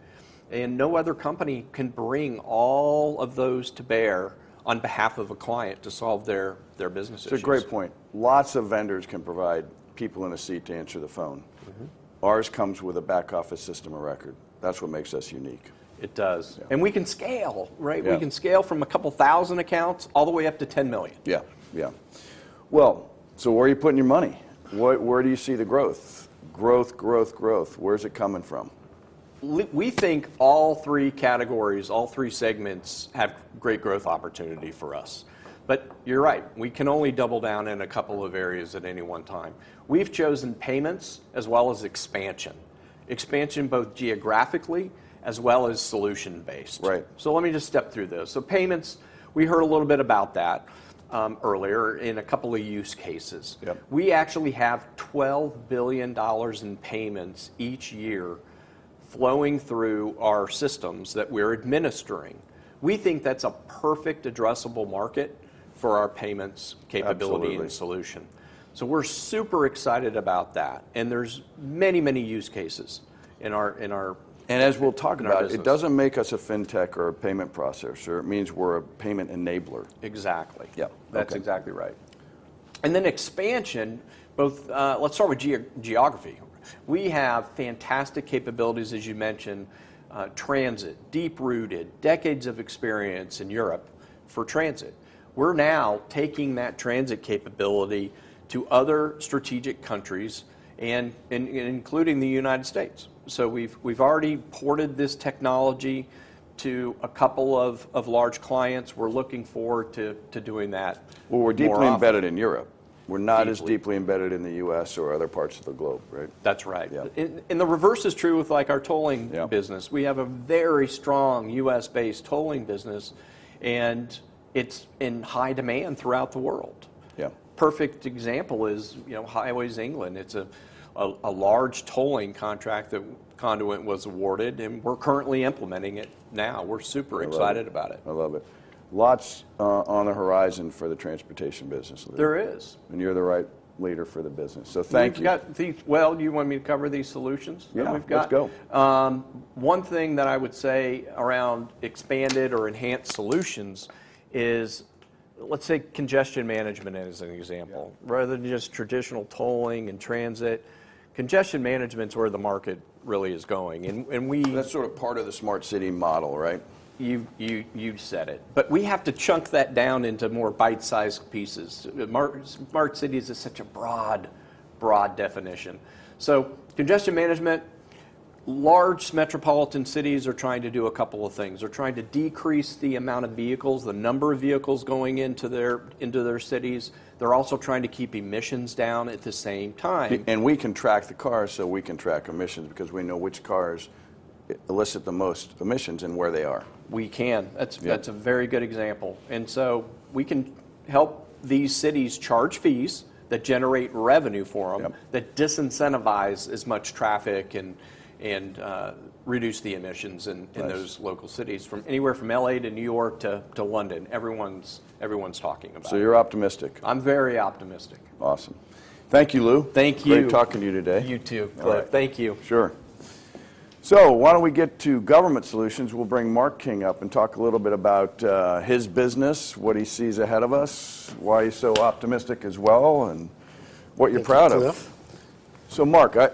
and no other company can bring all of those to bear on behalf of a client to solve their business issues. It's a great point. Lots of vendors can provide people in a seat to answer the phone. Mm-hmm. Ours comes with a back office system of record. That's what makes us unique. It does. Yeah. We can scale, right? Yeah. We can scale from 2,000 accounts all the way up to 10 million. Yeah. Yeah. Well, where are you putting your money? Where do you see the growth? Growth, where's it coming from? We think all three categories, all three segments have great growth opportunity for us, you're right, we can only double down in a couple of areas at any one time. We've chosen payments as well as expansion both geographically as well as solution based. Right. Let me just step through those. Payments, we heard a little bit about that, earlier in a couple of use cases. Yeah. We actually have $12 billion in payments each year flowing through our systems that we're administering. We think that's a perfect addressable market for our payments capability. Absolutely... and solution. We're super excited about that. There's many use cases. As we'll talk about.... in our business It doesn't make us a fintech or a payment processor. It means we're a payment enabler. Exactly. Yeah. Okay. That's exactly right. Expansion both, let's start with geography. We have fantastic capabilities, as you mentioned, transit, deep-rooted, decades of experience in Europe for transit. We're now taking that transit capability to other strategic countries and including the United States. We've already ported this technology to a couple of large clients. We're looking forward to doing that more often. Well, we're deeply embedded in Europe. Deeply. We're not as deeply embedded in the U.S. or other parts of the globe, right? That's right. Yeah. The reverse is true with, like, our tolling business. Yeah. We have a very strong U.S.-based tolling business, and it's in high demand throughout the world. Yeah. Perfect example is, you know, Highways England. It's a large tolling contract that Conduent was awarded. We're currently implementing it now. I love it. We're super excited about it. I love it. Lots on the horizon for the transportation business. There is. You're the right leader for the business, so thank you. Well, do you want me to cover these solutions that we've got? Yeah, let's go. One thing that I would say around expanded or enhanced solutions. Let's say congestion management as an example. Yeah. Rather than just traditional tolling and transit, congestion management's where the market really is going. That's sort of part of the smart city model, right? You've said it. We have to chunk that down into more bite-sized pieces. Smart cities is such a broad definition. Congestion management, large metropolitan cities are trying to do a couple of things. They're trying to decrease the amount of vehicles, the number of vehicles going into their cities. They're also trying to keep emissions down at the same time. We can track the cars, so we can track emissions because we know which cars elicit the most emissions and where they are. We can. Yeah. That's a very good example. We can help these cities charge fees that generate revenue for them- Yep... that disincentivize as much traffic and reduce the emissions in. Nice... local cities from anywhere from L.A. to New York to London. Everyone's talking about it. You're optimistic? I'm very optimistic. Awesome. Thank you, Lou. Thank you. Great talking to you today. You too, Cliff. All right. Thank you. Sure. Why don't we get to Government Solutions? We'll bring Mark King up and talk a little bit about his business, what he sees ahead of us, why he's so optimistic as well, and what you're proud of. Thank you, Cliff. Mark, I,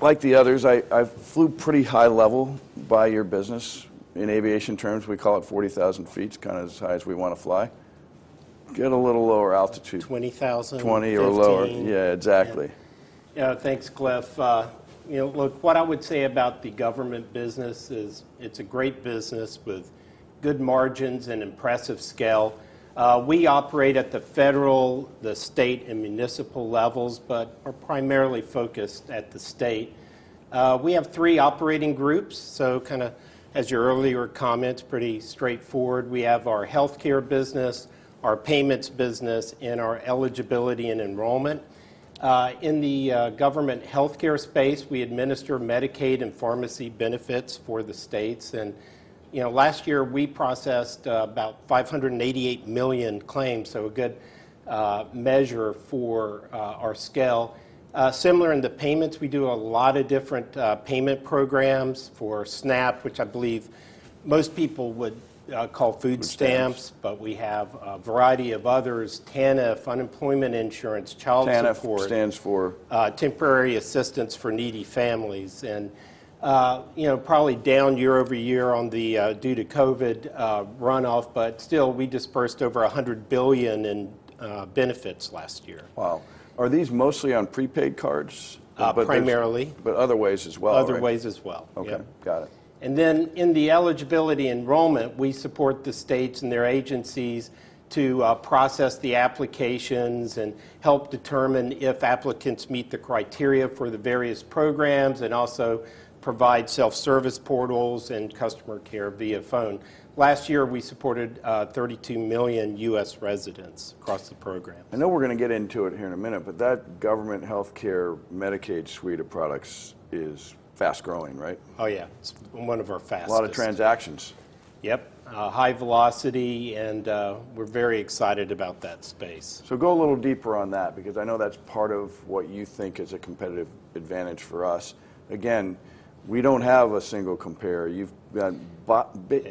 like the others, I flew pretty high level by your business. In aviation terms, we call it 40,000 feet. It's kinda as high as we wanna fly. Get a little lower altitude. 20,000. 20 or lower. 15. Yeah, exactly. Yeah. Yeah, thanks, Cliff. you know, look, what I would say about the government business is it's a great business with good margins and impressive scale. we operate at the federal, the state, and municipal levels, but are primarily focused at the state. we have three operating groups, so kinda as your earlier comments, pretty straightforward. We have our healthcare business, our payments business, and our eligibility and enrollment. in the government healthcare space, we administer Medicaid and pharmacy benefits for the states. you know, last year we processed about 588 million claims, so a good measure for our scale. similar in the payments, we do a lot of different payment programs for SNAP, which I believe most people would call food stamps. Food stamps. We have a variety of others, TANF, unemployment insurance, child support. TANF stands for? Temporary Assistance for Needy Families. You know, probably down year-over-year on the due to COVID runoff, but still, we dispersed over $100 billion in benefits last year. Wow. Are these mostly on prepaid cards? Primarily. Other ways as well, right? Other ways as well. Okay. Yeah. Got it. In the eligibility enrollment, we support the states and their agencies to process the applications and help determine if applicants meet the criteria for the various programs, and also provide self-service portals and customer care via phone. Last year, we supported 32 million U.S. residents across the programs. I know we're gonna get into it here in a minute, but that government healthcare Medicaid suite of products is fast-growing, right? Oh, yeah. It's one of our fastest. A lot of transactions. Yep. High velocity and we're very excited about that space. Go a little deeper on that because I know that's part of what you think is a competitive advantage for us. Again, we don't have a single compare. You've got Yeah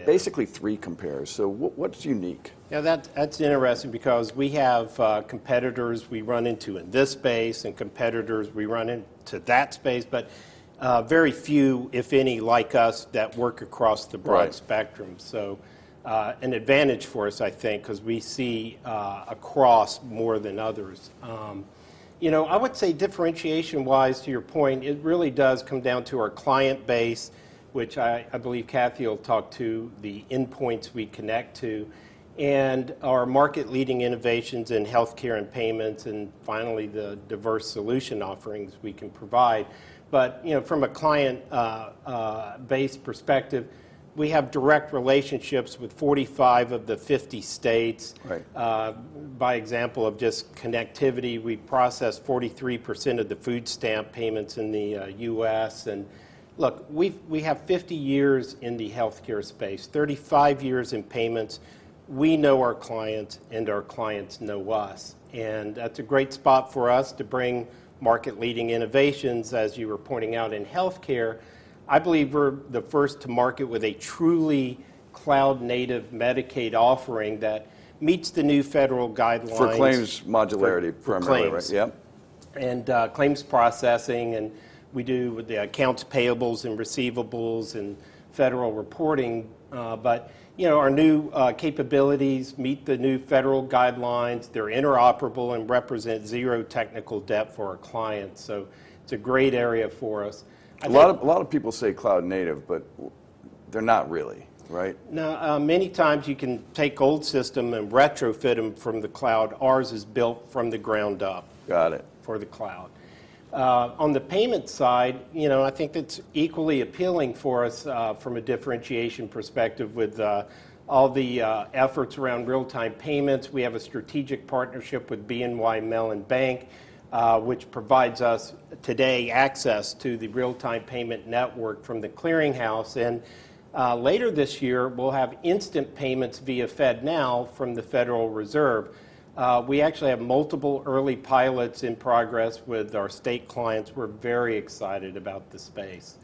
basically three compares. What's unique? Yeah, that's interesting because we have competitors we run into in this space and competitors we run into that space, but very few, if any, like us that work across the. Right... spectrum. An advantage for us, I think, 'cause we see across more than others. You know, I would say differentiation-wise, to your point, it really does come down to our client base, which I believe Kathy will talk to, the endpoints we connect to, and our market-leading innovations in healthcare and payments, and finally, the diverse solution offerings we can provide. You know, from a client based perspective, we have direct relationships with 45 of the 50 states. Right. By example of just connectivity, we process 43% of the food stamp payments in the U.S. Look, we've, we have 50 years in the healthcare space, 35 years in payments. We know our clients, and our clients know us. That's a great spot for us to bring market-leading innovations, as you were pointing out, in healthcare. I believe we're the first to market with a truly cloud-native Medicaid offering that meets the new federal guidelines. For claims modularity primarily, right? For claims. Yep. claims processing, and we do the accounts payables and receivables and federal reporting. You know, our new capabilities meet the new federal guidelines. They're interoperable and represent zero technical debt for our clients, it's a great area for us. A lot of people say cloud native, but they're not really, right? No. Many times you can take old system and retrofit 'em from the cloud. Ours is built from the ground up- Got it. for the cloud. On the payment side, you know, I think it's equally appealing for us from a differentiation perspective with all the efforts around real-time payments. We have a strategic partnership with BNY Mellon, which provides us today access to the real-time payment network from The Clearing House. Later this year, we'll have instant payments via FedNow from the Federal Reserve. We actually have multiple early pilots in progress with our state clients. We're very excited about the space.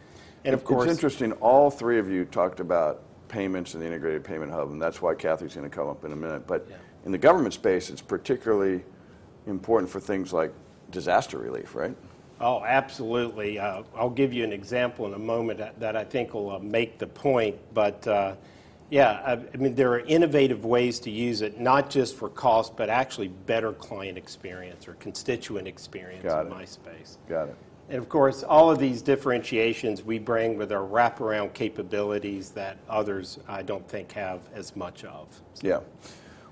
Of course. It's interesting, all three of you talked about payments and the Integrated Payments Hub, and that's why Kathy's gonna come up in a minute. Yeah. In the government space, it's particularly important for things like disaster relief, right? Oh, absolutely. I'll give you an example in a moment that I think will make the point. Yeah, I mean, there are innovative ways to use it, not just for cost, but actually better client experience or constituent experience... Got it. in my space. Got it. Of course, all of these differentiations we bring with our wraparound capabilities that others, I don't think, have as much of. Yeah.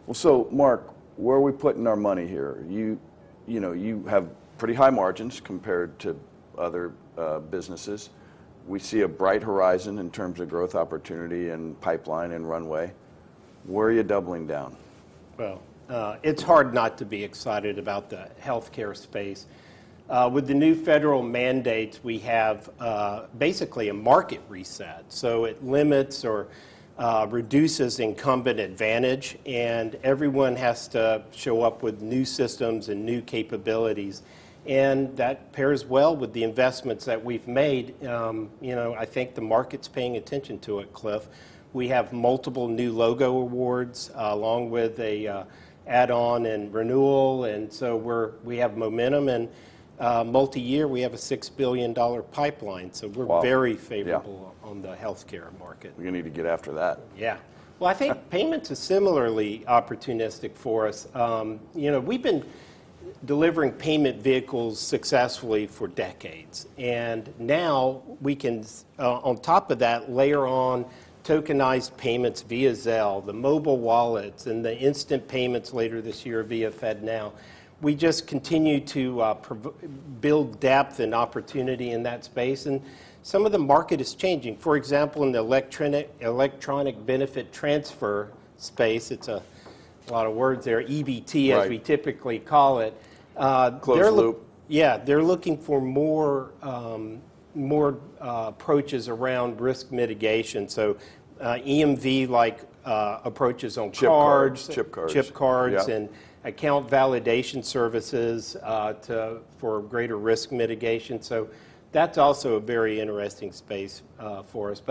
Well, Mark, where are we putting our money here? You, you know, you have pretty high margins compared to other businesses. We see a bright horizon in terms of growth opportunity and pipeline and runway. Where are you doubling down? Well, it's hard not to be excited about the healthcare space. With the new federal mandates, we have, basically a market reset, so it limits or reduces incumbent advantage, everyone has to show up with new systems and new capabilities. That pairs well with the investments that we've made. You know, I think the market's paying attention to it, Cliff. We have multiple new logo awards, along with a add-on and renewal, we have momentum. Multi-year, we have a $6 billion pipeline- Wow. Yeah. We're very favorable on the healthcare market. We're gonna need to get after that. Yeah. Well, I think payments is similarly opportunistic for us. You know, we've been delivering payment vehicles successfully for decades, and now we can on top of that layer on tokenized payments via Zelle, the mobile wallets, and the instant payments later this year via FedNow. We just continue to build depth and opportunity in that space, and some of the market is changing. For example, in the electronic benefit transfer space, it's a lot of words there, EBT. Right... as we typically call it, they're. Closed loop. Yeah. They're looking for more, more approaches around risk mitigation, so EMV-like approaches on cards. Chip cards. Chip cards. Yeah... and account validation services for greater risk mitigation. That's also a very interesting space for us.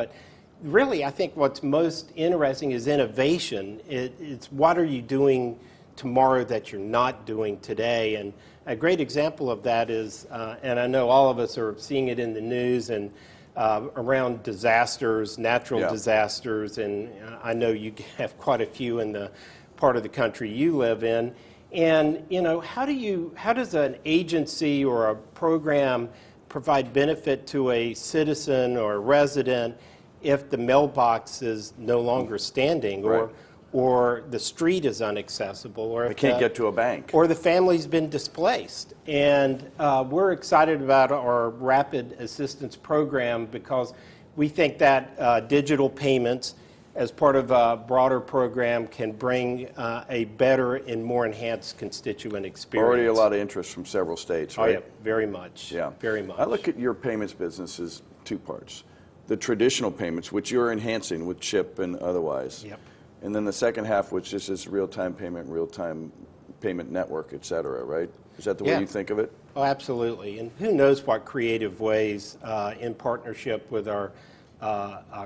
Really I think what's most interesting is innovation. It's what are you doing tomorrow that you're not doing today? A great example of that is I know all of us are seeing it in the news, around disasters, natural disasters. Yeah... and I know you have quite a few in the part of the country you live in. You know, how does an agency or a program provide benefit to a citizen or a resident if the mailbox is no longer standing. Right.... or the street is inaccessible. They can't get to a bank.... or the family's been displaced. We're excited about our Rapid Assistance Program because we think that digital payments as part of a broader program can bring a better and more enhanced constituent experience. Already a lot of interest from several states, right? Oh, yeah, very much. Yeah. Very much. I look at your payments business as two parts, the traditional payments, which you're enhancing with chip and otherwise. Yep. The second half, which is just real-time payment and Real-Time Payments Network, et cetera, right? Yeah. Is that the way you think of it? Oh, absolutely. Who knows what creative ways, in partnership with our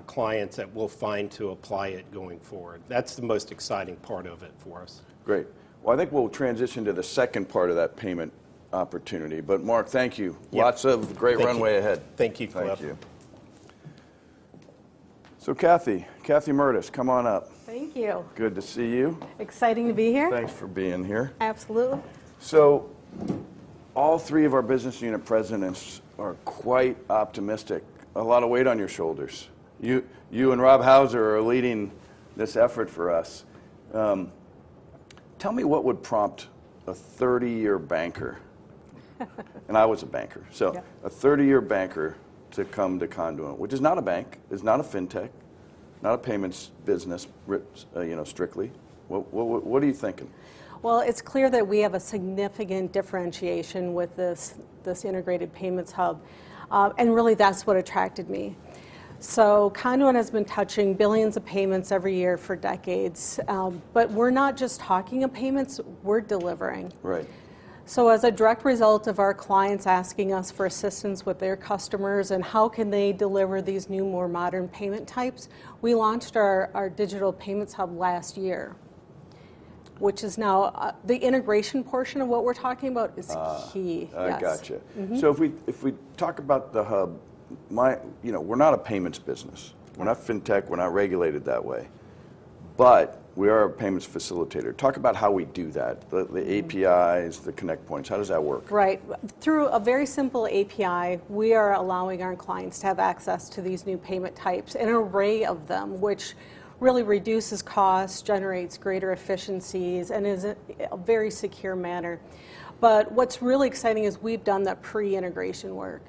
clients that we'll find to apply it going forward. That's the most exciting part of it for us. Great. Well, I think we'll transition to the second part of that payment opportunity. Mark, thank you. Yeah. Lots of great runway ahead. Thank you. Thank you, Cliff. Thank you. Kathy Mertes, come on up. Thank you. Good to see you. Exciting to be here. Thanks for being here. Absolutely. All three of our business unit presidents are quite optimistic. A lot of weight on your shoulders. You and Rob Houser are leading this effort for us. Tell me what would prompt a 30-year banker. I was a banker. Yeah. A 30-year banker to come to Conduent, which is not a bank. It's not a fintech, not a payments business, you know strictly. What are you thinking? It's clear that we have a significant differentiation with this Integrated Payments Hub, and really that's what attracted me. Conduent has been touching billions of payments every year for decades. We're not just talking of payments, we're delivering. Right. As a direct result of our clients asking us for assistance with their customers and how can they deliver these new, more modern payment types, we launched our digital payments hub last year, which is now the integration portion of what we're talking about is key. Yes. I gotcha. Mm-hmm. If we, if we talk about the hub, my, you know, we're not a payments business. Right. We're not fintech. We're not regulated that way. We are a payments facilitator. Talk about how we do that, the APIs the connect points. How does that work? Right. Through a very simple API, we are allowing our clients to have access to these new payment types, an array of them, which really reduces cost, generates greater efficiencies, and is a very secure manner. What's really exciting is we've done the pre-integration work.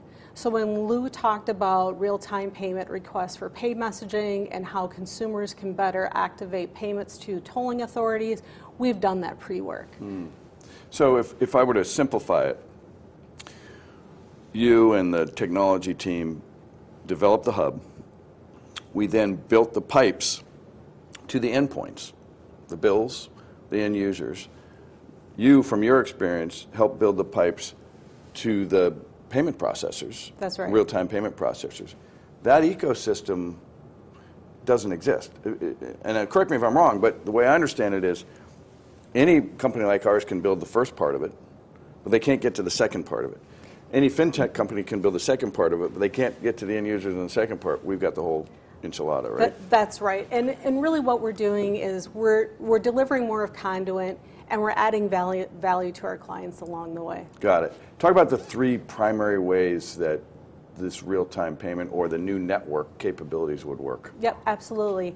When Lou talked about real-time payment requests for pay messaging and how consumers can better activate payments to tolling authorities, we've done that pre-work. If I were to simplify it. You and the technology team developed the hub. We built the pipes to the endpoints, the bills, the end users. You, from your experience, helped build the pipes to the payment processors. That's right. Real-Time payment processors. That ecosystem doesn't exist. Correct me if I'm wrong, but the way I understand it is any company like ours can build the first part of it, but they can't get to the second part of it. Any fintech company can build the second part of it, but they can't get to the end users in the second part. We've got the whole enchilada, right? That's right. Really what we're doing is we're delivering more of Conduent, and we're adding value to our clients along the way. Got it. Talk about the three primary ways that this real-time payment or the new network capabilities would work? Yep, absolutely.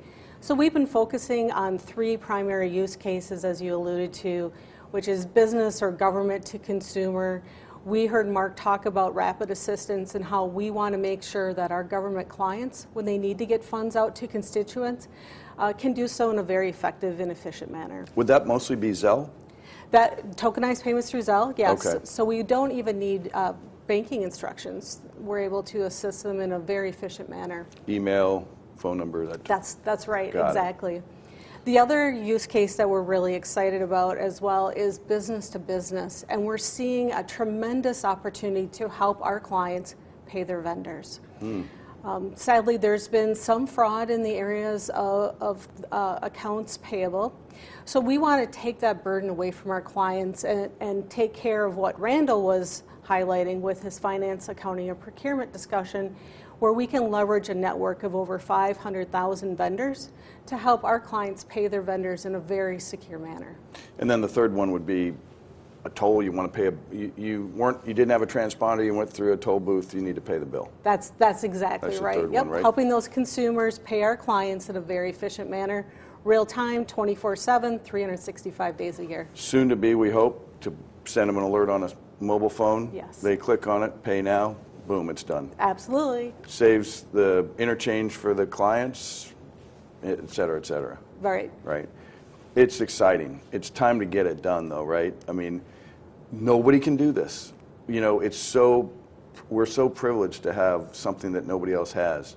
We've been focusing on three primary use cases, as you alluded to, which is business or government to consumer. We heard Mark talk about rapid assistance and how we wanna make sure that our government clients, when they need to get funds out to constituents, can do so in a very effective and efficient manner. Would that mostly be Zelle? That tokenized payments through Zelle? Yes. Okay. We don't even need banking instructions. We're able to assist them in a very efficient manner. Email, phone number. That's right. Got it. Exactly. The other use case that we're really excited about as well is business to business. We're seeing a tremendous opportunity to help our clients pay their vendors. Hmm. Sadly, there's been some fraud in the areas of accounts payable. We wanna take that burden away from our clients and take care of what Randall was highlighting with his finance, accounting, and procurement discussion, where we can leverage a network of over 500,000 vendors to help our clients pay their vendors in a very secure manner. The third one would be a toll you wanna pay. You didn't have a transponder, you went through a toll booth, you need to pay the bill. That's exactly right. That's the third one, right? Yep, helping those consumers pay our clients in a very efficient manner, real-time, 24/7, 365 days a year. Soon to be, we hope, to send them an alert on a mobile phone. Yes. They click on it, pay now, boom, it's done. Absolutely. Saves the interchange for the clients, et cetera, et cetera. Right. Right. It's exciting. It's time to get it done, though, right? I mean, nobody can do this, you know? We're so privileged to have something that nobody else has,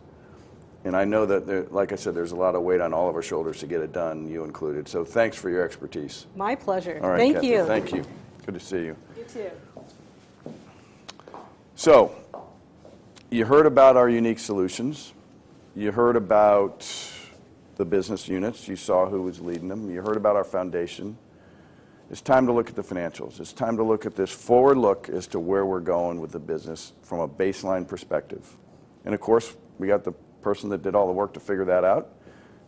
and I know that there, like I said, there's a lot of weight on all of our shoulders to get it done, you included. Thanks for your expertise. My pleasure. All right, Cathy. Thank you. Thank you. Good to see you. You too. You heard about our unique solutions. You heard about the business units. You saw who was leading them. You heard about our foundation. It's time to look at the financials. It's time to look at this forward look as to where we're going with the business from a baseline perspective. Of course, we got the person that did all the work to figure that out.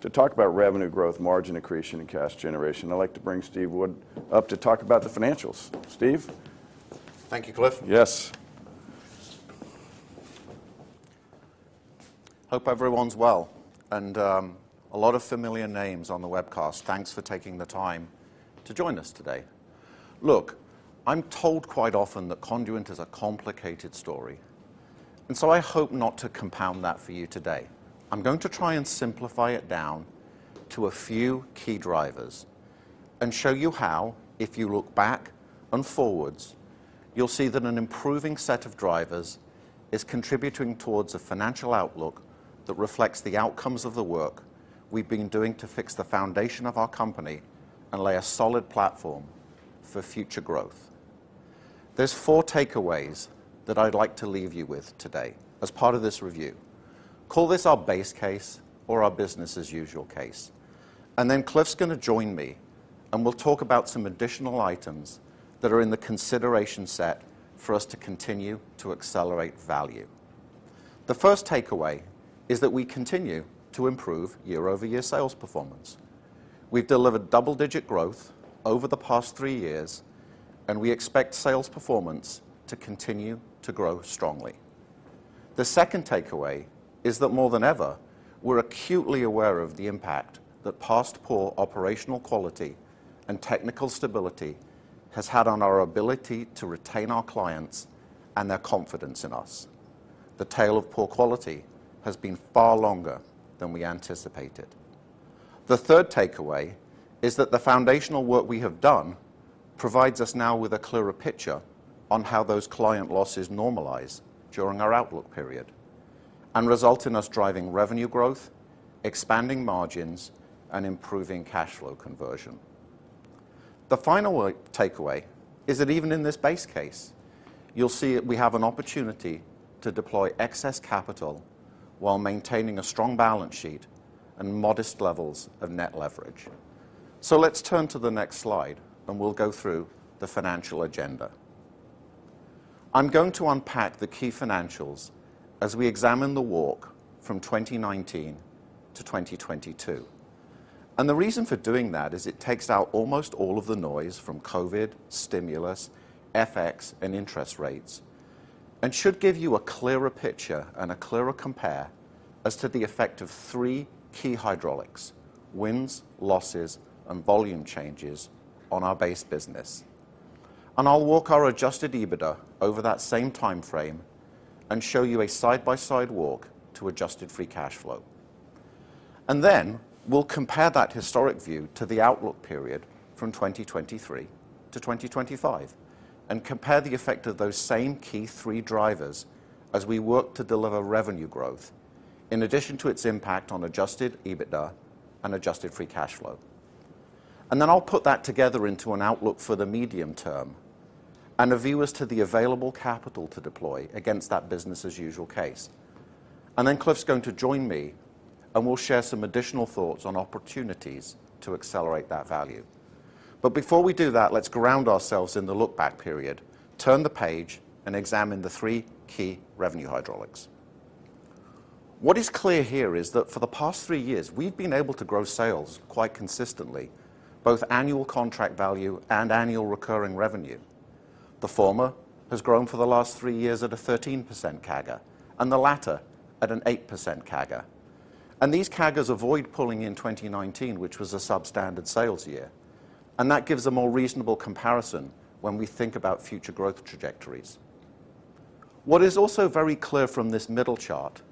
To talk about revenue growth, margin accretion, and cash generation, I'd like to bring Steve Wood up to talk about the financials. Steve. Thank you, Cliff. Yes. Hope everyone's well, a lot of familiar names on the webcast. Thanks for taking the time to join us today. Look, I'm told quite often that Conduent is a complicated story. I hope not to compound that for you today. I'm going to try and simplify it down to a few key drivers and show you how, if you look back and forwards, you'll see that an improving set of drivers is contributing towards a financial outlook that reflects the outcomes of the work we've been doing to fix the foundation of our company and lay a solid platform for future growth. There's four takeaways that I'd like to leave you with today as part of this review. Call this our base case or our business as usual case. Cliff's gonna join me, and we'll talk about some additional items that are in the consideration set for us to continue to accelerate value. The first takeaway is that we continue to improve year-over-year sales performance. We've delivered double-digit growth over the past three years. We expect sales performance to continue to grow strongly. The second takeaway is that more than ever, we're acutely aware of the impact that past poor operational quality and technical stability has had on our ability to retain our clients and their confidence in us. The tale of poor quality has been far longer than we anticipated. The third takeaway is that the foundational work we have done provides us now with a clearer picture on how those client losses normalize during our outlook period and result in us driving revenue growth, expanding margins, and improving cash flow conversion. The final takeaway is that even in this base case, you'll see we have an opportunity to deploy excess capital while maintaining a strong balance sheet and modest levels of net leverage. Let's turn to the next slide, and we'll go through the financial agenda. I'm going to unpack the key financials as we examine the walk from 2019 to 2022. The reason for doing that is it takes out almost all of the noise from COVID, stimulus, FX, and interest rates, and should give you a clearer picture and a clearer compare as to the effect of three key hydraulics, wins, losses, and volume changes on our base business. I'll walk our Adjusted EBITDA over that same timeframe and show you a side-by-side walk to Adjusted Free Cash Flow. We'll compare that historic view to the outlook period from 2023 to 2025, and compare the effect of those same key three drivers as we work to deliver revenue growth, in addition to its impact on Adjusted EBITDA and Adjusted Free Cash Flow. I'll put that together into an outlook for the medium term and a view as to the available capital to deploy against that business as usual case. Cliff's going to join me, and we'll share some additional thoughts on opportunities to accelerate that value. Before we do that, let's ground ourselves in the look-back period, turn the page, and examine the three key revenue hydraulics. What is clear here is that for the past three years, we've been able to grow sales quite consistently, both annual contract value and annual recurring revenue. The former has grown for the last three years at a 13% CAGR, and the latter at an 8% CAGR. These CAGRs avoid pulling in 2019, which was a substandard sales year. That gives a more reasonable comparison when we think about future growth trajectories. What is also very clear from this middle chart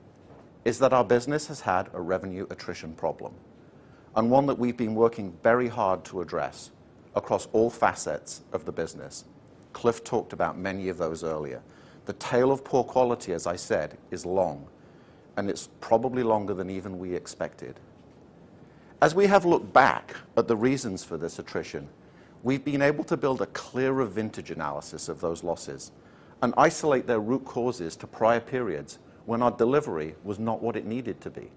is that our business has had a revenue attrition problem, and one that we've been working very hard to address across all facets of the business. Cliff talked about many of those earlier. The tail of poor quality, as I said, is long, and it's probably longer than even we expected. As we have looked back at the reasons for this attrition, we've been able to build a clearer vintage analysis of those losses and isolate their root causes to prior periods when our delivery was not what it needed to be.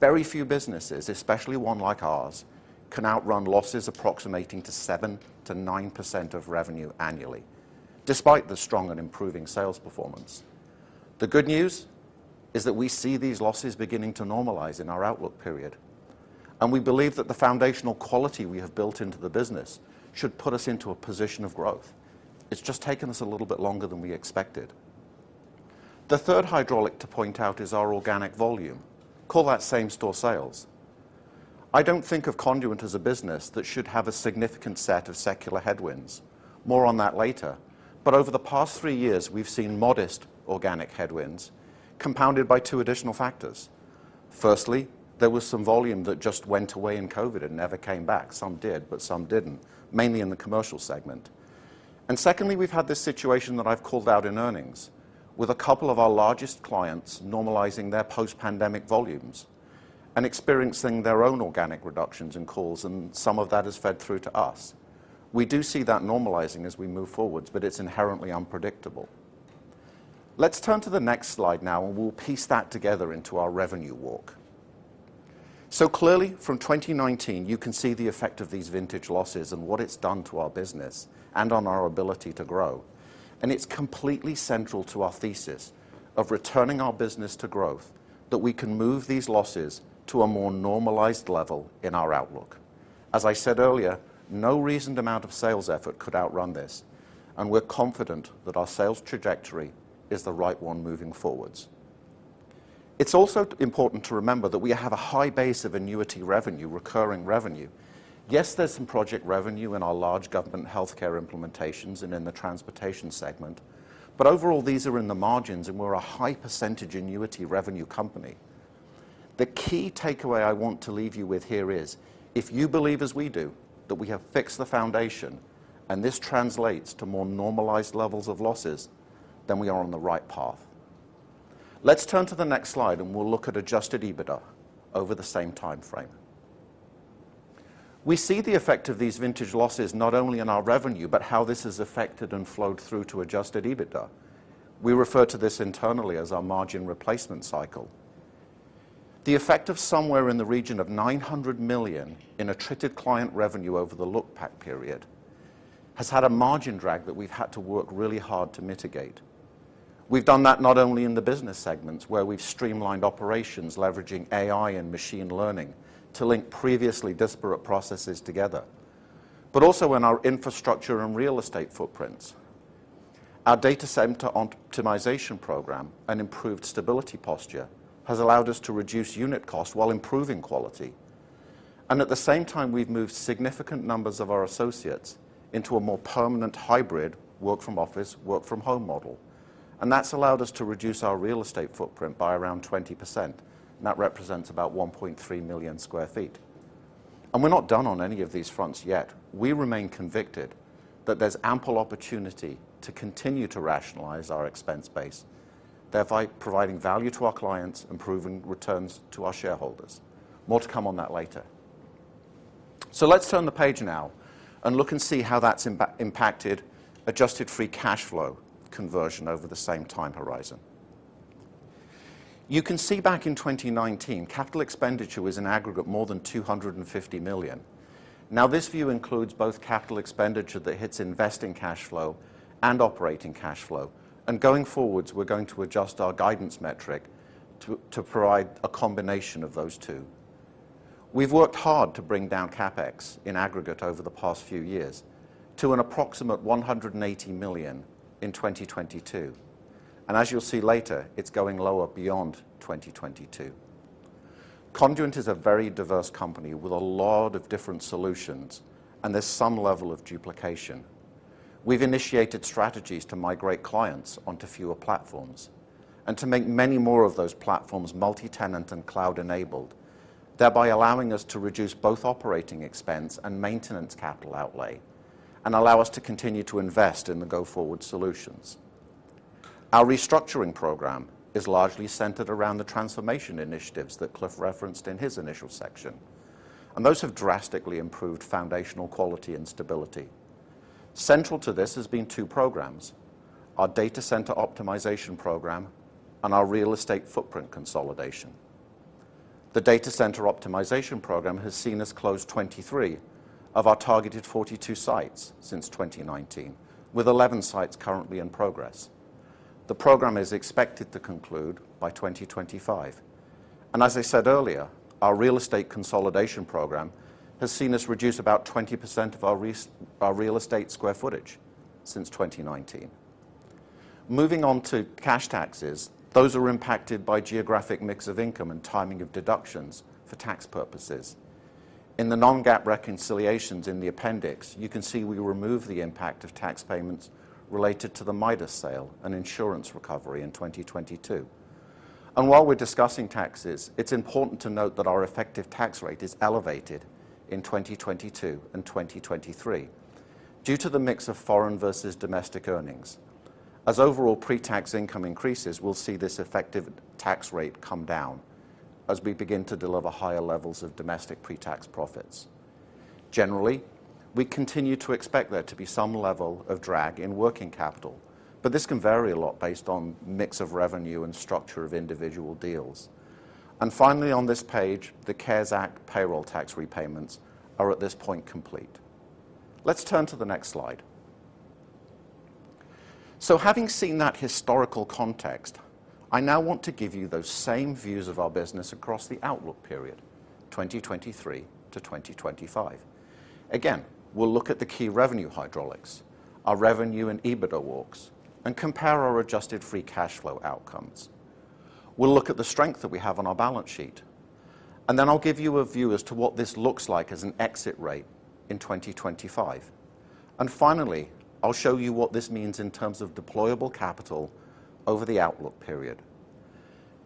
Very few businesses, especially one like ours, can outrun losses approximating to 7%-9% of revenue annually, despite the strong and improving sales performance. The good news is that we see these losses beginning to normalize in our outlook period. We believe that the foundational quality we have built into the business should put us into a position of growth. It's just taken us a little bit longer than we expected. The third hydraulic to point out is our organic volume. Call that same-store sales. I don't think of Conduent as a business that should have a significant set of secular headwinds. More on that later. Over the past three years, we've seen modest organic headwinds compounded by two additional factors. Firstly, there was some volume that just went away in COVID and never came back. Some did, but some didn't, mainly in the commercial segment. Secondly, we've had this situation that I've called out in earnings with a couple of our largest clients normalizing their post-pandemic volumes and experiencing their own organic reductions in calls, and some of that has fed through to us. We do see that normalizing as we move forwards, but it's inherently unpredictable. Let's turn to the next slide now, and we'll piece that together into our revenue walk. Clearly, from 2019, you can see the effect of these vintage losses and what it's done to our business and on our ability to grow. It's completely central to our thesis of returning our business to growth that we can move these losses to a more normalized level in our outlook. As I said earlier, no reasoned amount of sales effort could outrun this, and we're confident that our sales trajectory is the right one moving forwards. It's also important to remember that we have a high base of annuity revenue, recurring revenue. Yes, there's some project revenue in our large government healthcare implementations and in the transportation segment, but overall, these are in the margins, and we're a high-percentage annuity revenue company. The key takeaway I want to leave you with here is if you believe as we do that we have fixed the foundation and this translates to more normalized levels of losses, then we are on the right path. Let's turn to the next slide, and we'll look at Adjusted EBITDA over the same timeframe. We see the effect of these vintage losses not only in our revenue, but how this has affected and flowed through to Adjusted EBITDA. We refer to this internally as our margin replacement cycle. The effect of somewhere in the region of $900 million in attrited client revenue over the look-back period has had a margin drag that we've had to work really hard to mitigate. We've done that not only in the business segments where we've streamlined operations, leveraging AI and machine learning to link previously disparate processes together, but also in our infrastructure and real estate footprints. Our data center optimization program and improved stability posture has allowed us to reduce unit cost while improving quality. At the same time, we've moved significant numbers of our associates into a more permanent hybrid work-from-office, work-from-home model. That's allowed us to reduce our real estate footprint by around 20%. That represents about 1.3 million sq ft. We're not done on any of these fronts yet. We remain convicted that there's ample opportunity to continue to rationalize our expense base, thereby providing value to our clients and proving returns to our shareholders. More to come on that later. Let's turn the page now and look and see how that's impacted Adjusted Free Cash Flow conversion over the same time horizon. You can see back in 2019, capital expenditure was in aggregate more than $250 million. Now, this view includes both capital expenditure that hits investing cash flow and operating cash flow. Going forwards, we're going to adjust our guidance metric to provide a combination of those two. We've worked hard to bring down CapEx in aggregate over the past few years to an approximate $180 million in 2022. As you'll see later, it's going lower beyond 2022. Conduent is a very diverse company with a lot of different solutions, and there's some level of duplication. We've initiated strategies to migrate clients onto fewer platforms and to make many more of those platforms multi-tenant and cloud-enabled, thereby allowing us to reduce both operating expense and maintenance capital outlay, and allow us to continue to invest in the go-forward solutions. Our restructuring program is largely centered around the transformation initiatives that Cliff referenced in his initial section, and those have drastically improved foundational quality and stability. Central to this has been two programs: our data center optimization program and our real estate footprint consolidation. The data center optimization program has seen us close 23 of our targeted 42 sites since 2019, with 11 sites currently in progress. The program is expected to conclude by 2025. As I said earlier, our real estate consolidation program has seen us reduce about 20% of our real estate square footage since 2019. Moving on to cash taxes, those are impacted by geographic mix of income and timing of deductions for tax purposes. In the non-GAAP reconciliations in the appendix, you can see we remove the impact of tax payments related to the Midas sale and insurance recovery in 2022. While we're discussing taxes, it's important to note that our effective tax rate is elevated in 2022 and 2023 due to the mix of foreign versus domestic earnings. As overall pre-tax income increases, we'll see this effective tax rate come down as we begin to deliver higher levels of domestic pre-tax profits. Generally, we continue to expect there to be some level of drag in working capital, but this can vary a lot based on mix of revenue and structure of individual deals. Finally, on this page, the CARES Act payroll tax repayments are at this point complete. Let's turn to the next slide. Having seen that historical context, I now want to give you those same views of our business across the outlook period, 2023 to 2025. We'll look at the key revenue hydraulics, our revenue and EBITDA walks, and compare our Adjusted Free Cash Flow outcomes. We'll look at the strength that we have on our balance sheet, I'll give you a view as to what this looks like as an exit rate in 2025. Finally, I'll show you what this means in terms of deployable capital over the outlook period.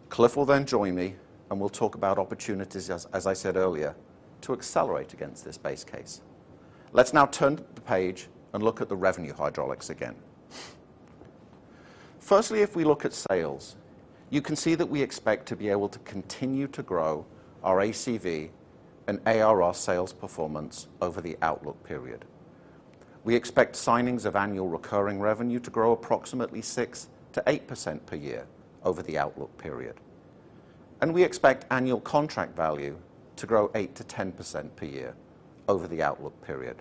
Cliff will then join me, and we'll talk about opportunities as I said earlier, to accelerate against this base case. Let's now turn the page and look at the revenue hydraulics again. If we look at sales, you can see that we expect to be able to continue to grow our ACV and ARR sales performance over the outlook period. We expect signings of annual recurring revenue to grow approximately 6%-8% per year over the outlook period. We expect annual contract value to grow 8%-10% per year over the outlook period.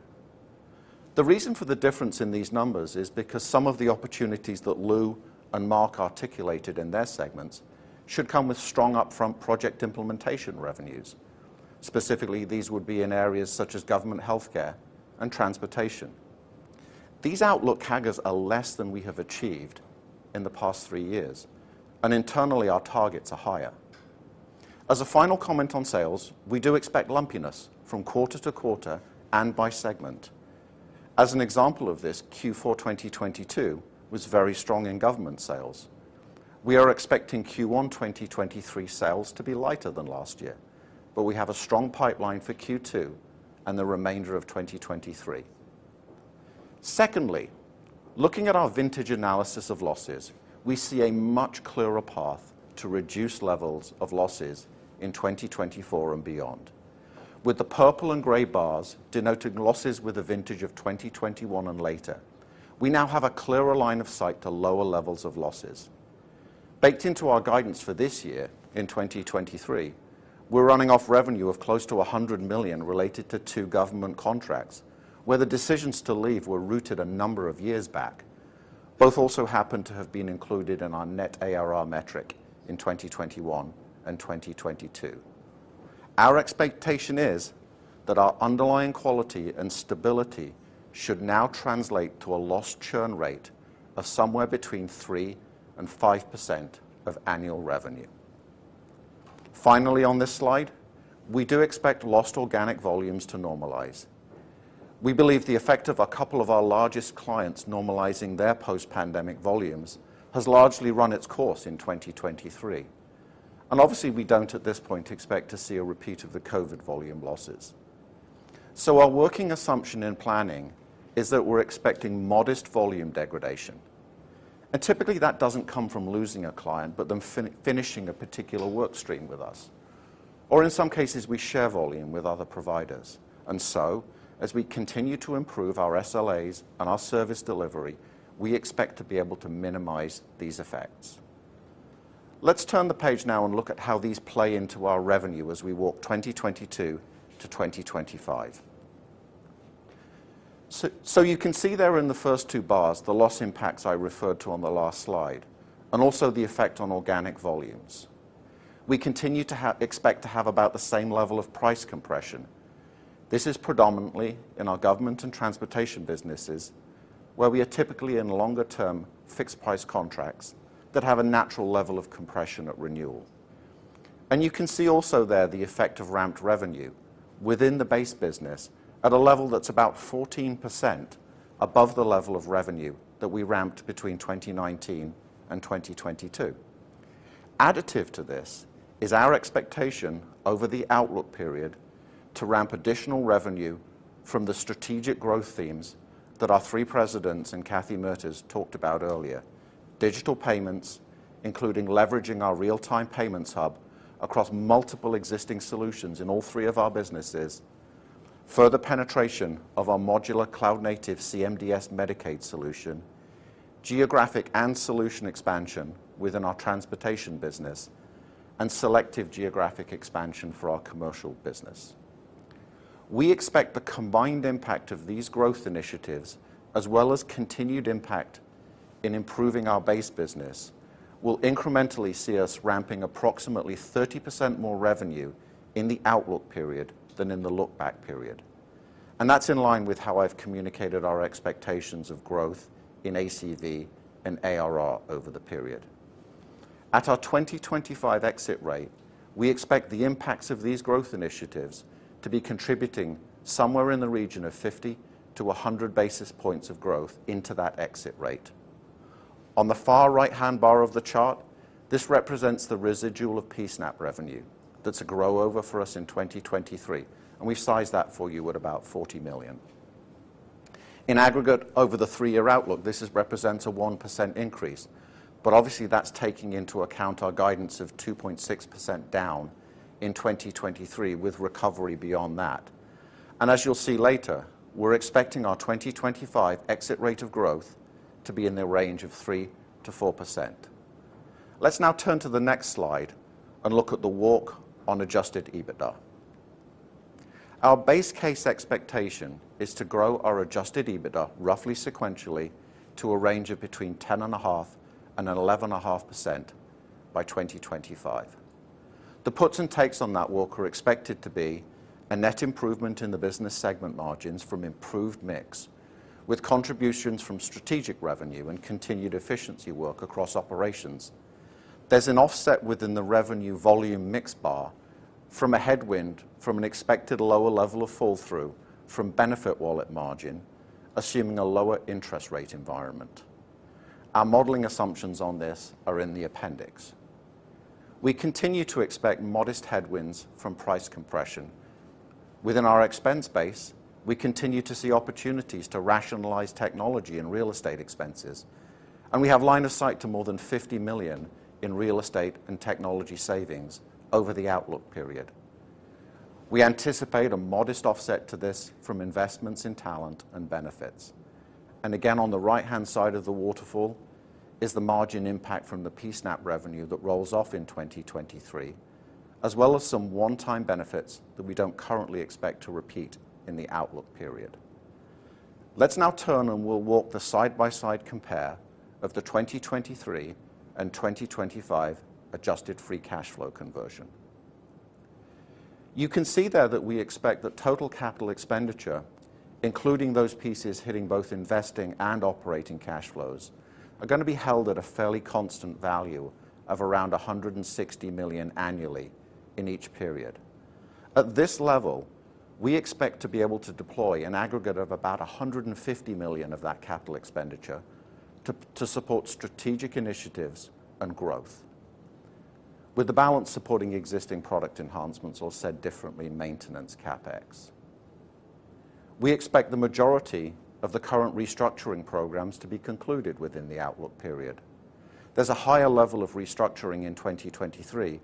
The reason for the difference in these numbers is because some of the opportunities that Lou and Mark articulated in their segments should come with strong upfront project implementation revenues. Specifically, these would be in areas such as government healthcare and transportation. These outlook CAGRs are less than we have achieved in the past three years. Internally, our targets are higher. As a final comment on sales, we do expect lumpiness from quarter to quarter and by segment. As an example of this, Q4 2022 was very strong in government sales. We are expecting Q1 2023 sales to be lighter than last year, but we have a strong pipeline for Q2 and the remainder of 2023. Secondly, looking at our vintage analysis of losses, we see a much clearer path to reduce levels of losses in 2024 and beyond. With the purple and gray bars denoting losses with a vintage of 2021 and later, we now have a clearer line of sight to lower levels of losses. Baked into our guidance for this year in 2023, we're running off revenue of close to $100 million related to two government contracts, where the decisions to leave were rooted a number of years back. Both also happen to have been included in our net ARR metric in 2021 and 2022. Our expectation is that our underlying quality and stability should now translate to a loss churn rate of somewhere between 3% and 5% of annual revenue. Finally, on this slide, we do expect lost organic volumes to normalize. We believe the effect of a couple of our largest clients normalizing their post-pandemic volumes has largely run its course in 2023. Obviously, we don't at this point expect to see a repeat of the COVID volume losses. Our working assumption in planning is that we're expecting modest volume degradation. Typically that doesn't come from losing a client, but them finishing a particular work stream with us. In some cases, we share volume with other providers. As we continue to improve our SLAs and our service delivery, we expect to be able to minimize these effects. Let's turn the page now look at how these play into our revenue as we walk 2022 to 2025. You can see there in the first two bars the loss impacts I referred to on the last slide, and also the effect on organic volumes. We continue to expect to have about the same level of price compression. This is predominantly in our government and transportation businesses, where we are typically in longer-term fixed price contracts that have a natural level of compression at renewal. You can see also there the effect of ramped revenue within the base business at a level that's about 14% above the level of revenue that we ramped between 2019 and 2022. Additive to this is our expectation over the outlook period to ramp additional revenue from the strategic growth themes that our three presidents and Kathy Mertes talked about earlier. Digital payments, including leveraging our real-time payments hub across multiple existing solutions in all three of our businesses. Further penetration of our modular cloud-native CMDS Medicaid solution. Geographic and solution expansion within our transportation business, and selective geographic expansion for our commercial business. We expect the combined impact of these growth initiatives, as well as continued impact in improving our base business, will incrementally see us ramping approximately 30% more revenue in the outlook period than in the look back period. That's in line with how I've communicated our expectations of growth in ACV and ARR over the period. At our 2025 exit rate, we expect the impacts of these growth initiatives to be contributing somewhere in the region of 50-100 basis points of growth into that exit rate. On the far right-hand bar of the chart, this represents the residual of P-SNAP revenue. That's a grow over for us in 2023, and we size that for you at about $40 million. In aggregate over the three-year outlook, this represents a 1% increase, but obviously that's taking into account our guidance of 2.6% down in 2023 with recovery beyond that. As you'll see later, we're expecting our 2025 exit rate of growth to be in the range of 3%-4%. Let's now turn to the next slide and look at the walk on Adjusted EBITDA. Our base case expectation is to grow our Adjusted EBITDA roughly sequentially to a range of between 10.5% and 11.5% by 2025. The puts and takes on that walk are expected to be a net improvement in the business segment margins from improved mix, with contributions from strategic revenue and continued efficiency work across operations. There's an offset within the revenue volume mix bar from a headwind from an expected lower level of fall through from BenefitWallet margin, assuming a lower interest rate environment. Our modeling assumptions on this are in the appendix. We continue to expect modest headwinds from price compression. Within our expense base, we continue to see opportunities to rationalize technology and real estate expenses, and we have line of sight to more than $50 million in real estate and technology savings over the outlook period. We anticipate a modest offset to this from investments in talent and benefits. Again, on the right-hand side of the waterfall is the margin impact from the PSNAP revenue that rolls off in 2023, as well as some one-time benefits that we don't currently expect to repeat in the outlook period. Let's now turn and we'll walk the side-by-side compare of the 2023 and 2025 Adjusted Free Cash Flow conversion. You can see there that we expect that total capital expenditure, including those pieces hitting both investing and operating cash flows, are gonna be held at a fairly constant value of around $160 million annually in each period. At this level, we expect to be able to deploy an aggregate of about $150 million of that capital expenditure to support strategic initiatives and growth. With the balance supporting existing product enhancements or said differently, maintenance CapEx. We expect the majority of the current restructuring programs to be concluded within the outlook period. There's a higher level of restructuring in 2023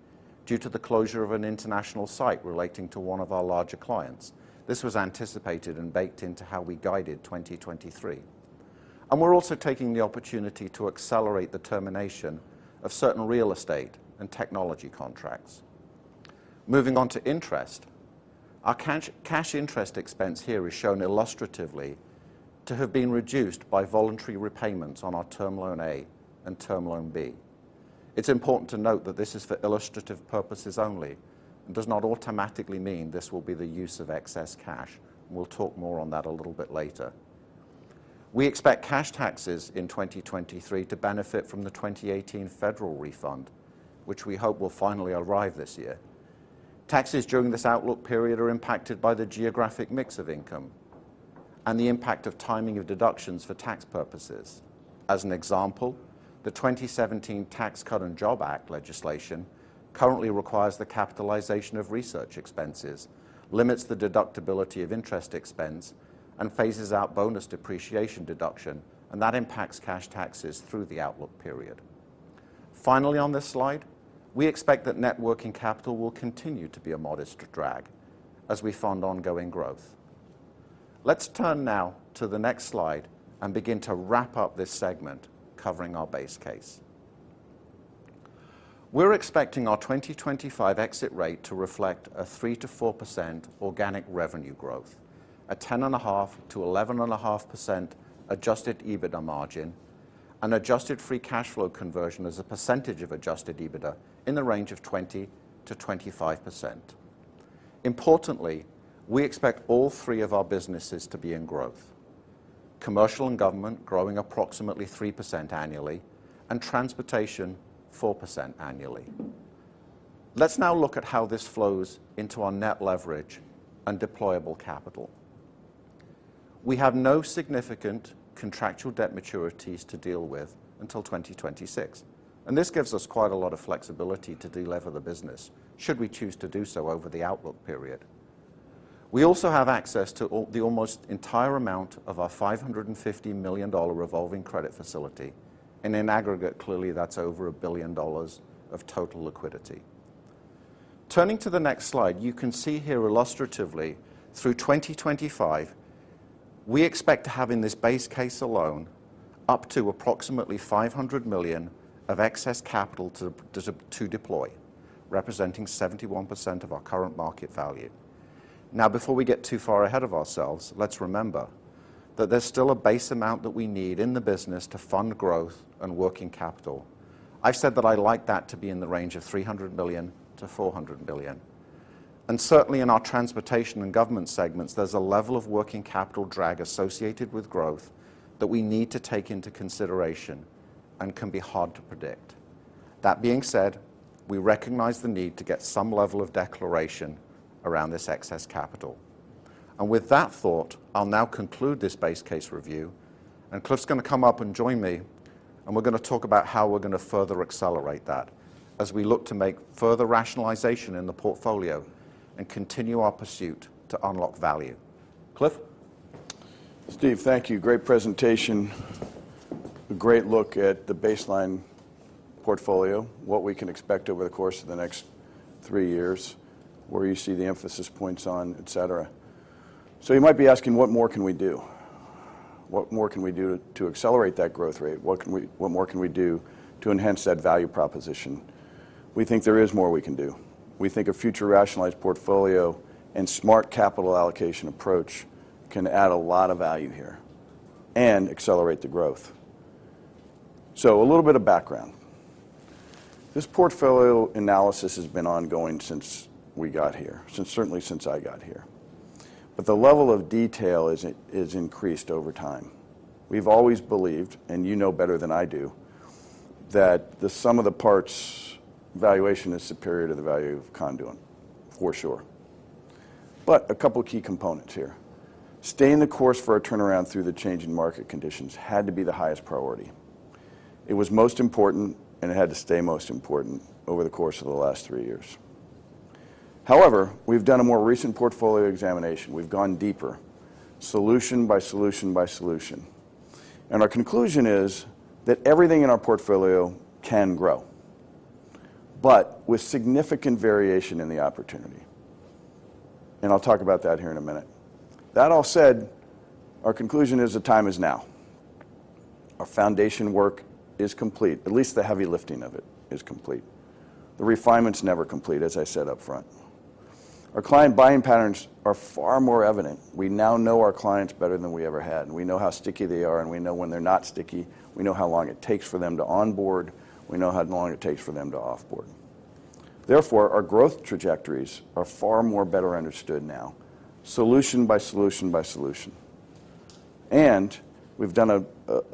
due to the closure of an international site relating to one of our larger clients. This was anticipated and baked into how we guided 2023. We're also taking the opportunity to accelerate the termination of certain real estate and technology contracts. Moving on to interest. Our cash interest expense here is shown illustratively to have been reduced by voluntary repayments on our Term Loan A and Term Loan B. It's important to note that this is for illustrative purposes only and does not automatically mean this will be the use of excess cash. We'll talk more on that a little bit later. We expect cash taxes in 2023 to benefit from the 2018 federal refund, which we hope will finally arrive this year. Taxes during this outlook period are impacted by the geographic mix of income and the impact of timing of deductions for tax purposes. As an example, the 2017 Tax Cuts and Jobs Act legislation currently requires the capitalization of research expenses, limits the deductibility of interest expense, and phases out bonus depreciation deduction, and that impacts cash taxes through the outlook period. On this slide, we expect that net working capital will continue to be a modest drag as we fund ongoing growth. Let's turn now to the next slide and begin to wrap up this segment covering our base case. We're expecting our 2025 exit rate to reflect a 3%-4% organic revenue growth, a 10.5%-11.5% Adjusted EBITDA margin, an Adjusted Free Cash Flow conversion as a percentage of Adjusted EBITDA in the range of 20%-25%. Importantly, we expect all three of our businesses to be in growth. Commercial and Government growing approximately 3% annually, and Transportation 4% annually. Let's now look at how this flows into our net leverage and deployable capital. We have no significant contractual debt maturities to deal with until 2026. This gives us quite a lot of flexibility to delever the business should we choose to do so over the outlook period. We also have access to the almost entire amount of our $550 million revolving credit facility. In aggregate, clearly that's over $1 billion of total liquidity. Turning to the next slide, you can see here illustratively through 2025, we expect to have in this base case alone up to approximately $500 million of excess capital to deploy, representing 71% of our current market value. Before we get too far ahead of ourselves, let's remember that there's still a base amount that we need in the business to fund growth and working capital. I've said that I'd like that to be in the range of $300 million-$400 million. Certainly in our transportation and government segments, there's a level of working capital drag associated with growth that we need to take into consideration and can be hard to predict. That being said, we recognize the need to get some level of declaration around this excess capital. With that thought, I'll now conclude this base case review, and Cliff's gonna come up and join me, and we're gonna talk about how we're gonna further accelerate that as we look to make further rationalization in the portfolio and continue our pursuit to unlock value. Cliff. Steve, thank you. Great presentation. Great look at the baseline portfolio, what we can expect over the course of the next three years, where you see the emphasis points on, et cetera. You might be asking, what more can we do? What more can we do to accelerate that growth rate? What more can we do to enhance that value proposition? We think there is more we can do. We think a future rationalized portfolio and smart capital allocation approach can add a lot of value here and accelerate the growth. A little bit of background. This portfolio analysis has been ongoing since we got here. Certainly since I got here. But the level of detail is increased over time. We've always believed, and you know better than I do, that the sum of the parts valuation is superior to the value of Conduent, for sure. A couple key components here. Staying the course for a turnaround through the change in market conditions had to be the highest priority. It was most important, and it had to stay most important over the course of the last three years. However, we've done a more recent portfolio examination. We've gone deeper, solution by solution by solution. Our conclusion is that everything in our portfolio can grow, but with significant variation in the opportunity. I'll talk about that here in a minute. That all said, our conclusion is the time is now. Our foundation work is complete. At least the heavy lifting of it is complete. The refinement's never complete, as I said up front. Our client buying patterns are far more evident. We now know our clients better than we ever had, and we know how sticky they are, and we know when they're not sticky. We know how long it takes for them to onboard. We know how long it takes for them to off-board. Our growth trajectories are far more better understood now, solution by solution by solution. We've done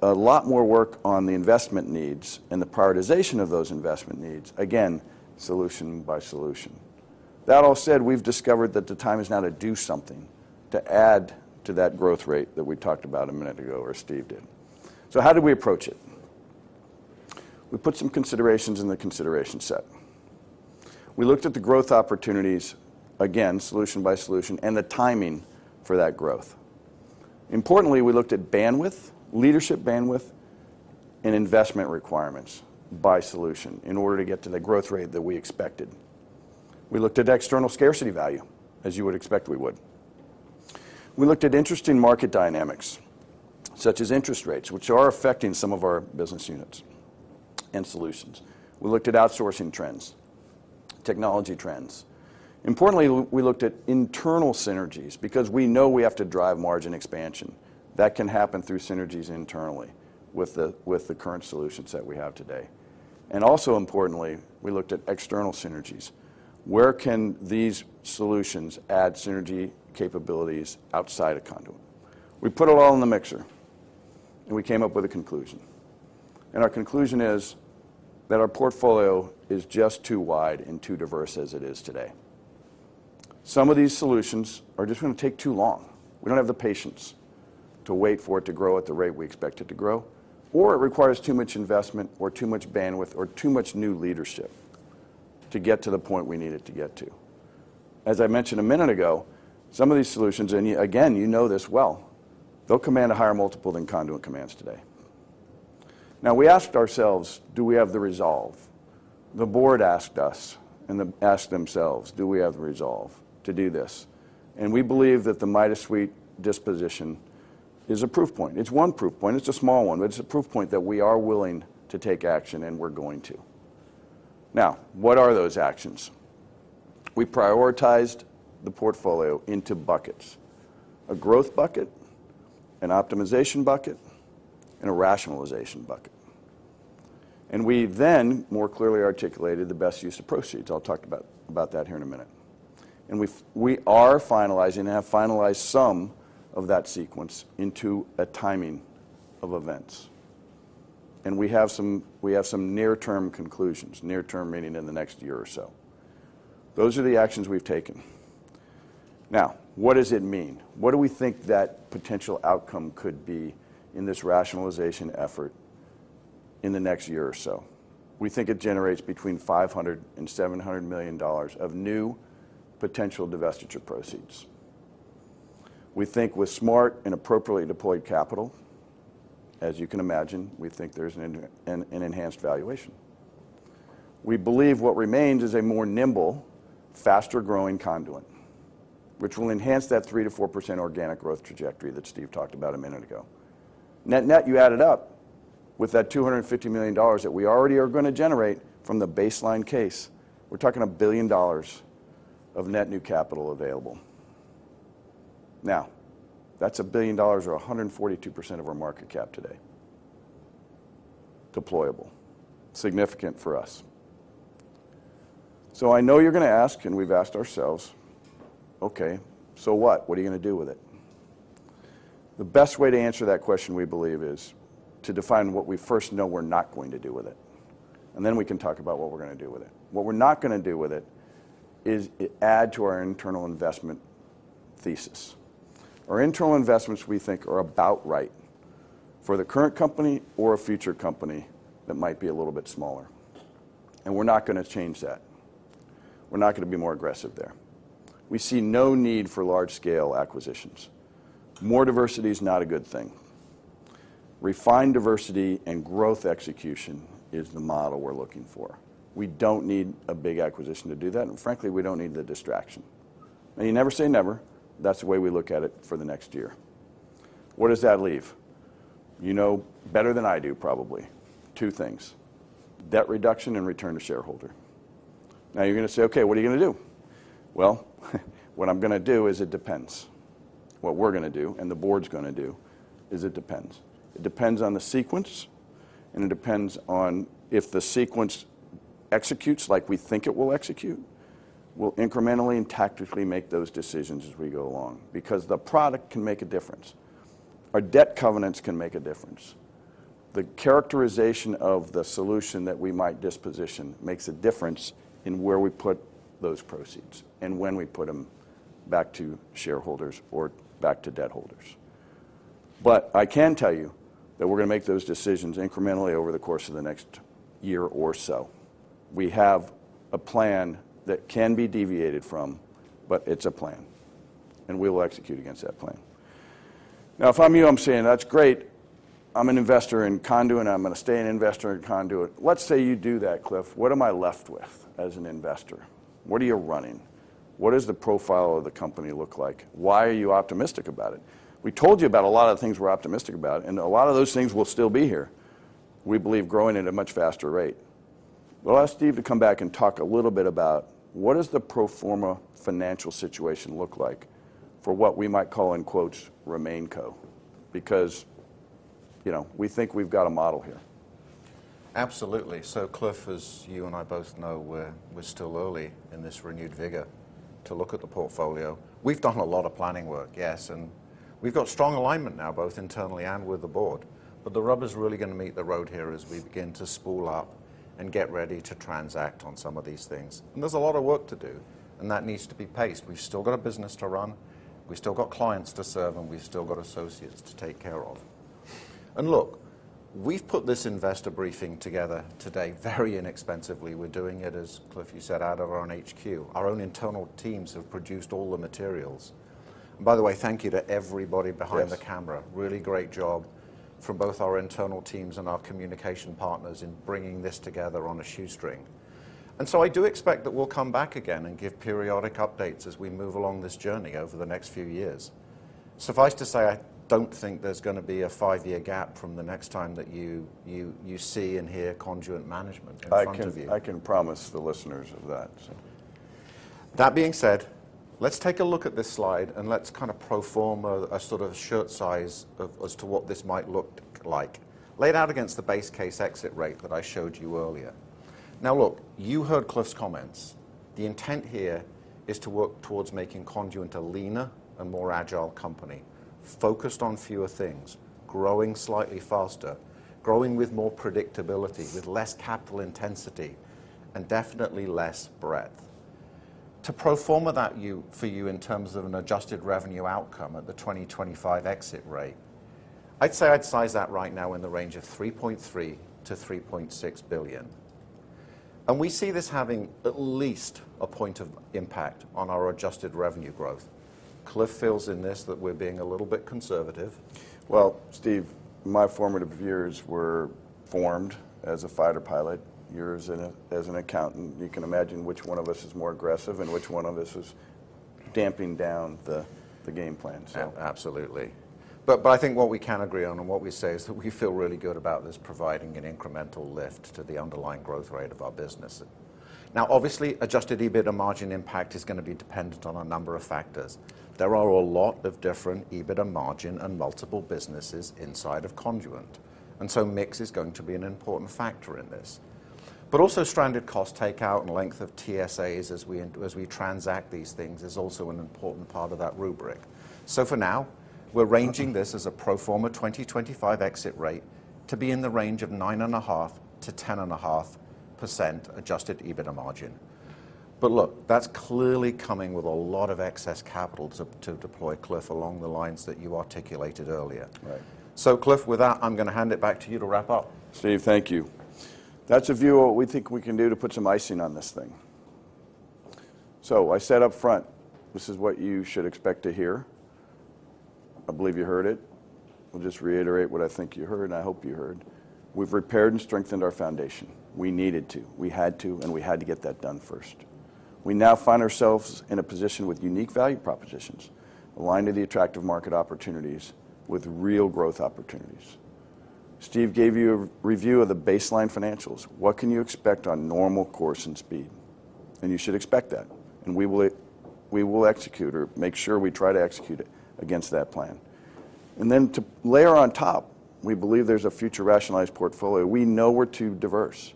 a lot more work on the investment needs and the prioritization of those investment needs, again, solution by solution. That all said, we've discovered that the time is now to do something to add to that growth rate that we talked about a minute ago, or Steve did. How did we approach it? We put some considerations in the consideration set. We looked at the growth opportunities, again, solution by solution, and the timing for that growth. Importantly, we looked at bandwidth, leadership bandwidth, and investment requirements by solution in order to get to the growth rate that we expected. We looked at external scarcity value, as you would expect we would. We looked at interesting market dynamics, such as interest rates, which are affecting some of our business units and solutions. We looked at outsourcing trends, technology trends. Importantly, we looked at internal synergies because we know we have to drive margin expansion. That can happen through synergies internally with the current solutions that we have today. Also importantly, we looked at external synergies. Where can these solutions add synergy capabilities outside of Conduent? We put it all in the mixer, and we came up with a conclusion. Our conclusion is that our portfolio is just too wide and too diverse as it is today. Some of these solutions are just gonna take too long. We don't have the patience to wait for it to grow at the rate we expect it to grow, or it requires too much investment or too much bandwidth or too much new leadership to get to the point we need it to get to. As I mentioned a minute ago, some of these solutions, and again, you know this well, they'll command a higher multiple than Conduent commands today. We asked ourselves, do we have the resolve? The board asked us and asked themselves, do we have the resolve to do this? We believe that the Midas Suite disposition is a proof point. It's one proof point. It's a small one, but it's a proof point that we are willing to take action, and we're going to. What are those actions? We prioritized the portfolio into buckets: a growth bucket, an optimization bucket, and a rationalization bucket. We then more clearly articulated the best use of proceeds. I'll talk about that here in a minute. We are finalizing, have finalized some of that sequence into a timing of events. We have some, we have some near-term conclusions, near-term meaning in the next year or so. Those are the actions we've taken. Now, what does it mean? What do we think that potential outcome could be in this rationalization effort in the next year or so? We think it generates between $500 million-$700 million of new potential divestiture proceeds. We think with smart and appropriately deployed capital, as you can imagine, we think there's an enhanced valuation. We believe what remains is a more nimble, faster-growing Conduent, which will enhance that 3%-4% organic growth trajectory that Steve talked about a minute ago. Net-net, you add it up, with that $250 million that we already are gonna generate from the baseline case, we're talking $1 billion of net new capital available. Now, that's $1 billion or 142% of our market cap today. Deployable. Significant for us. I know you're gonna ask, and we've asked ourselves, "Okay, so what? What are you gonna do with it?" The best way to answer that question, we believe, is to define what we first know we're not going to do with it, and then we can talk about what we're gonna do with it. What we're not gonna do with it is, add to our internal investment thesis. Our internal investments, we think, are about right for the current company or a future company that might be a little bit smaller, and we're not gonna change that. We're not gonna be more aggressive there. We see no need for large-scale acquisitions. More diversity is not a good thing. Refined diversity and growth execution is the model we're looking for. We don't need a big acquisition to do that, and frankly, we don't need the distraction. Now, you never say never. That's the way we look at it for the next year. What does that leave? You know better than I do, probably. Two things, debt reduction and return to shareholder. Now, you're gonna say, "Okay, what are you gonna do?" Well, what I'm gonna do is it depends. What we're gonna do and the board's gonna do is it depends. It depends on the sequence, and it depends on if the sequence executes like we think it will execute. We'll incrementally and tactically make those decisions as we go along because the product can make a difference. Our debt covenants can make a difference. The characterization of the solution that we might disposition makes a difference in where we put those proceeds and when we put them back to shareholders or back to debt holders. I can tell you that we're gonna make those decisions incrementally over the course of the next year or so. We have a plan that can be deviated from, but it's a plan, and we will execute against that plan. If I'm you, I'm saying, "That's great. I'm an investor in Conduent, I'm gonna stay an investor in Conduent. Let's say you do that, Cliff, what am I left with as an investor? What are you running? What does the profile of the company look like? Why are you optimistic about it?" We told you about a lot of the things we're optimistic about, and a lot of those things will still be here, we believe growing at a much faster rate. We'll ask Steve to come back and talk a little bit about what does the pro forma financial situation look like for what we might call, in quotes, RemainCo, because, you know, we think we've got a model here. Absolutely. Cliff, as you and I both know, we're still early in this renewed vigor to look at the portfolio. We've done a lot of planning work, yes, and we've got strong alignment now, both internally and with the board. The rubber is really going to meet the road here as we begin to spool up and get ready to transact on some of these things. There's a lot of work to do, and that needs to be paced. We've still got a business to run, we've still got clients to serve, and we've still got associates to take care of. Look, we've put this investor briefing together today very inexpensively. We're doing it, as Cliff, you said, out of our own HQ. Our own internal teams have produced all the materials. By the way, thank you to everybody. Yes... the camera. Really great job from both our internal teams and our communication partners in bringing this together on a shoestring. I do expect that we'll come back again and give periodic updates as we move along this journey over the next few years. Suffice to say, I don't think there's gonna be a five-year gap from the next time that you see and hear Conduent management in front of you. I can promise the listeners of that, so. That being said, let's take a look at this slide, and let's kind of pro forma a sort of shirt size of as to what this might look like laid out against the base case exit rate that I showed you earlier. Look, you heard Cliff's comments. The intent here is to work towards making Conduent a leaner and more agile company, focused on fewer things, growing slightly faster, growing with more predictability, with less capital intensity and definitely less breadth. To pro forma for you in terms of an adjusted revenue outcome at the 2025 exit rate, I'd say I'd size that right now in the range of $3.3 billion-$3.6 billion. We see this having at least a point of impact on our adjusted revenue growth. Cliff feels in this that we're being a little bit conservative. Steve, my formative years were formed as a fighter pilot. Yours as an accountant. You can imagine which one of us is more aggressive and which one of us is damping down the game plan, so. Absolutely. I think what we can agree on and what we say is that we feel really good about this providing an incremental lift to the underlying growth rate of our business. Obviously, Adjusted EBITDA margin impact is gonna be dependent on a number of factors. There are a lot of different EBITDA margin and multiple businesses inside of Conduent. So mix is going to be an important factor in this. Also stranded cost takeout and length of TSAs as we transact these things is also an important part of that rubric. For now, we're ranging this as a pro forma 2025 exit rate to be in the range of 9.5%-10.5% Adjusted EBITDA margin. Look, that's clearly coming with a lot of excess capital to deploy, Cliff, along the lines that you articulated earlier. Right. Cliff, with that, I'm gonna hand it back to you to wrap up. Steve, thank you. That's a view of what we think we can do to put some icing on this thing. I said up front, this is what you should expect to hear. I believe you heard it. I'll just reiterate what I think you heard, and I hope you heard. We've repaired and strengthened our foundation. We needed to, we had to, and we had to get that done first. We now find ourselves in a position with unique value propositions aligned to the attractive market opportunities with real growth opportunities. Steve gave you a review of the baseline financials. What can you expect on normal course and speed? You should expect that, and we will execute or make sure we try to execute it against that plan. To layer on top, we believe there's a future rationalized portfolio. We know we're too diverse.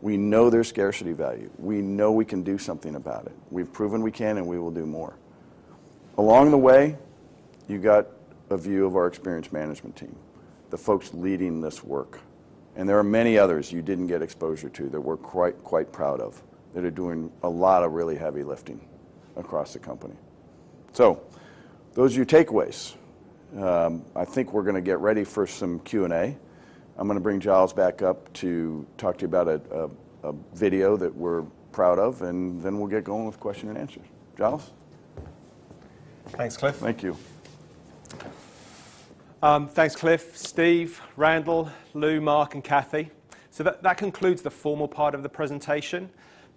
We know there's scarcity value. We know we can do something about it. We've proven we can, and we will do more. Along the way, you got a view of our experienced management team, the folks leading this work. There are many others you didn't get exposure to that we're quite proud of that are doing a lot of really heavy lifting across the company. Those are your takeaways. I think we're gonna get ready for some Q&A. I'm gonna bring Giles back up to talk to you about a video that we're proud of, and then we'll get going with question and answer. Giles. Thanks, Cliff. Thank you. Thanks, Cliff, Steve, Randall, Lou, Mark, and Kathy. That concludes the formal part of the presentation.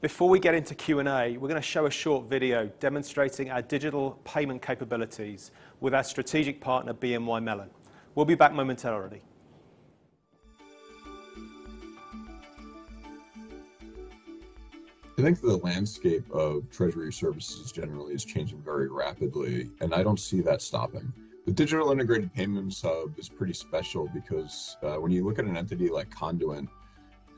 Before we get into Q&A, we're gonna show a short video demonstrating our digital payment capabilities with our strategic partner, BNY Mellon. We'll be back momentarily. I think the landscape of treasury services generally is changing very rapidly, and I don't see that stopping. The Digital Integrated Payments Hub is pretty special because, when you look at an entity like Conduent,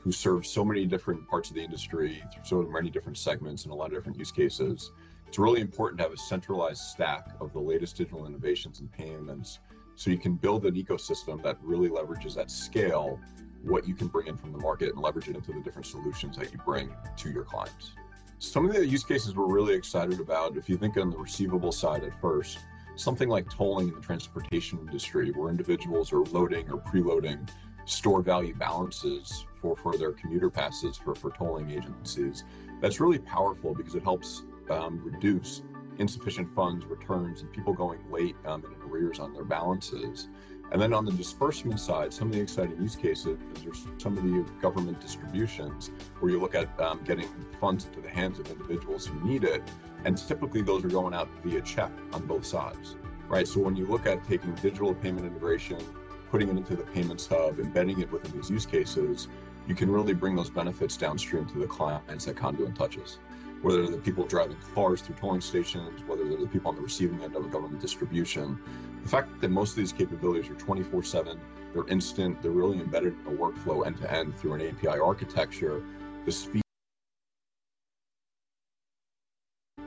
who serves so many different parts of the industry through so many different segments and a lot of different use cases, it's really important to have a centralized stack of the latest digital innovations and payments, so you can build an ecosystem that really leverages at scale what you can bring in from the market and leverage it into the different solutions that you bring to your clients. Some of the use cases we're really excited about, if you think on the receivable side at first, something like tolling in the transportation industry, where individuals are loading or preloading store value balances for their commuter passes for tolling agencies. That's really powerful because it helps reduce insufficient funds, returns, and people going late and in arrears on their balances. On the disbursement side, some of the exciting use cases is some of the government distributions where you look at getting funds into the hands of individuals who need it, and typically those are going out via check on both sides, right? When you look at taking digital payment integration, putting it into the payments hub, embedding it within these use cases, you can really bring those benefits downstream to the client that Conduent touches, whether they're the people driving cars through tolling stations, whether they're the people on the receiving end of a government distribution. The fact that most of these capabilities are 24/7, they're instant, they're really embedded in a workflow end-to-end through an API architecture. The speed...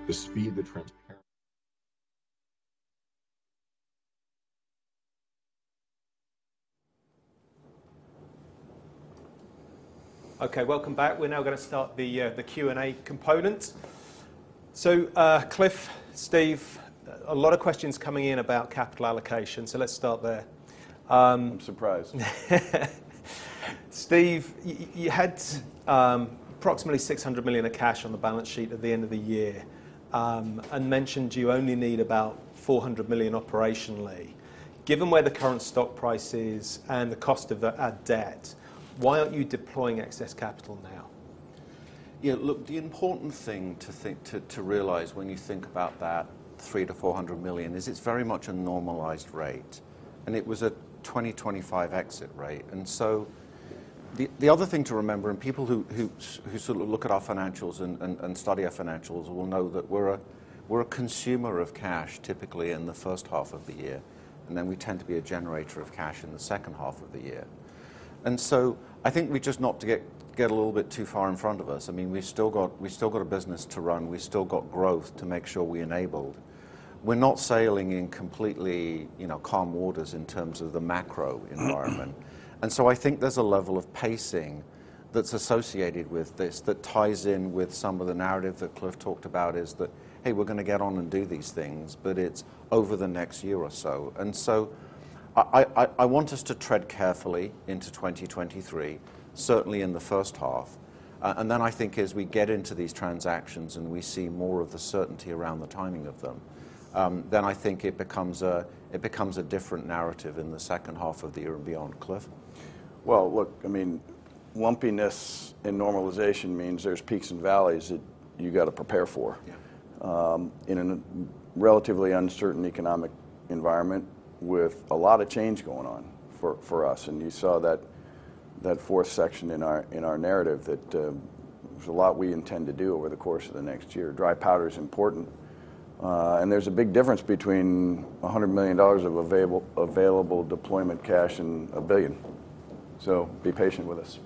The speed, the transparency... Okay, welcome back. We're now gonna start the Q&A component. Cliff, Steve, a lot of questions coming in about capital allocation, so let's start there. I'm surprised. Steve, you had approximately $600 million of cash on the balance sheet at the end of the year, and mentioned you only need about $400 million operationally. Given where the current stock price is and the cost of our debt, why aren't you deploying excess capital now? Yeah, look, the important thing to realize when you think about that $300 million-$400 million is it's very much a normalized rate, and it was a 2025 exit rate. The other thing to remember, and people who sort of look at our financials and study our financials will know that we're a consumer of cash typically in the first half of the year, and then we tend to be a generator of cash in the second half of the year. I think not to get a little bit too far in front of us. I mean, we've still got a business to run. We've still got growth to make sure we enable. We're not sailing in completely, you know, calm waters in terms of the macro environment. I think there's a level of pacing that's associated with this that ties in with some of the narrative that Cliff talked about is that, "Hey, we're gonna get on and do these things," but it's over the next year or so. I want us to tread carefully into 2023, certainly in the first half. And then I think as we get into these transactions and we see more of the certainty around the timing of them, then I think it becomes a different narrative in the second half of the year and beyond. Cliff? Well, look, I mean, lumpiness in normalization means there's peaks and valleys that you gotta prepare for. Yeah. In a relatively uncertain economic environment with a lot of change going on for us, you saw that fourth section in our narrative that there's a lot we intend to do over the course of the next year. Dry powder is important. There's a big difference between $100 million of available deployment cash and $1 billion. Be patient with us.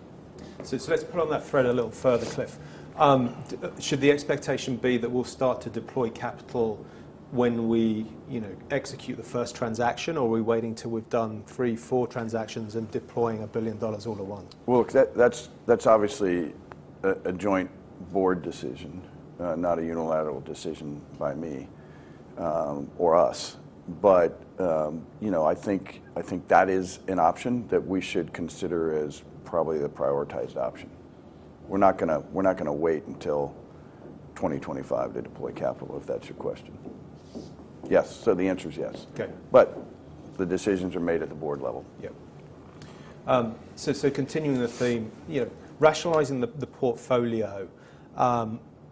Let's pull on that thread a little further, Cliff. Should the expectation be that we'll start to deploy capital when we, you know, execute the first transaction? Or are we waiting till we've done three, four transactions and deploying $1 billion all at once? That's obviously a joint board decision, not a unilateral decision by me or us. You know, I think that is an option that we should consider as probably the prioritized option. We're not gonna wait until 2025 to deploy capital, if that's your question. Yes. The answer is yes. Okay. The decisions are made at the board level. Yep. Continuing the theme, you know, rationalizing the portfolio,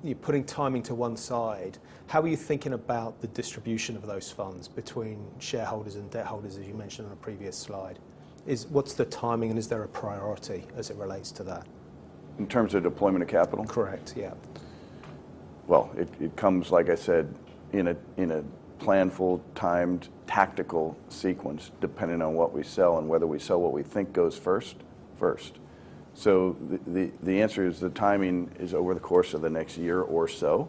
you're putting timing to one side, how are you thinking about the distribution of those funds between shareholders and debt holders, as you mentioned on a previous slide? What's the timing and is there a priority as it relates to that? In terms of deployment of capital? Correct. Yeah. Well, it comes, like I said, in a, in a planful timed tactical sequence, depending on what we sell and whether we sell what we think goes first. The, the answer is the timing is over the course of the next year or so,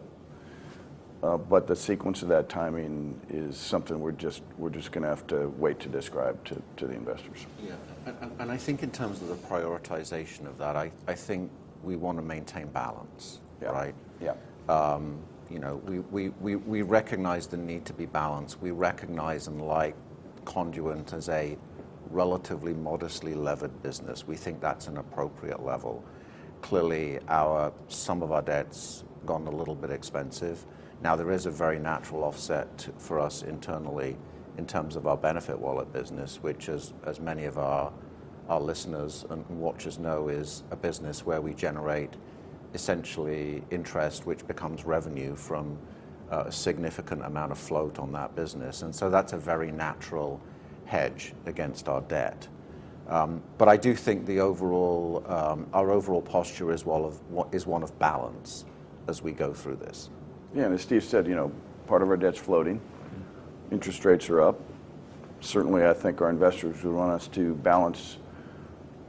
but the sequence of that timing is something we're just gonna have to wait to describe to the investors. Yeah. I think in terms of the prioritization of that, I think we want to maintain balance. Yeah. Right? Yeah. You know, we recognize the need to be balanced. We recognize and like Conduent as a relatively modestly levered business. We think that's an appropriate level. Clearly, some of our debt's gotten a little bit expensive. Now there is a very natural offset for us internally in terms of our benefit wallet business, which as many of our listeners and watchers know, is a business where we generate essentially interest, which becomes revenue from a significant amount of float on that business. That's a very natural hedge against our debt. But I do think the overall, our overall posture is one of balance as we go through this. Yeah. As Steve said, you know, part of our debt's floating, interest rates are up. Certainly, I think our investors would want us to balance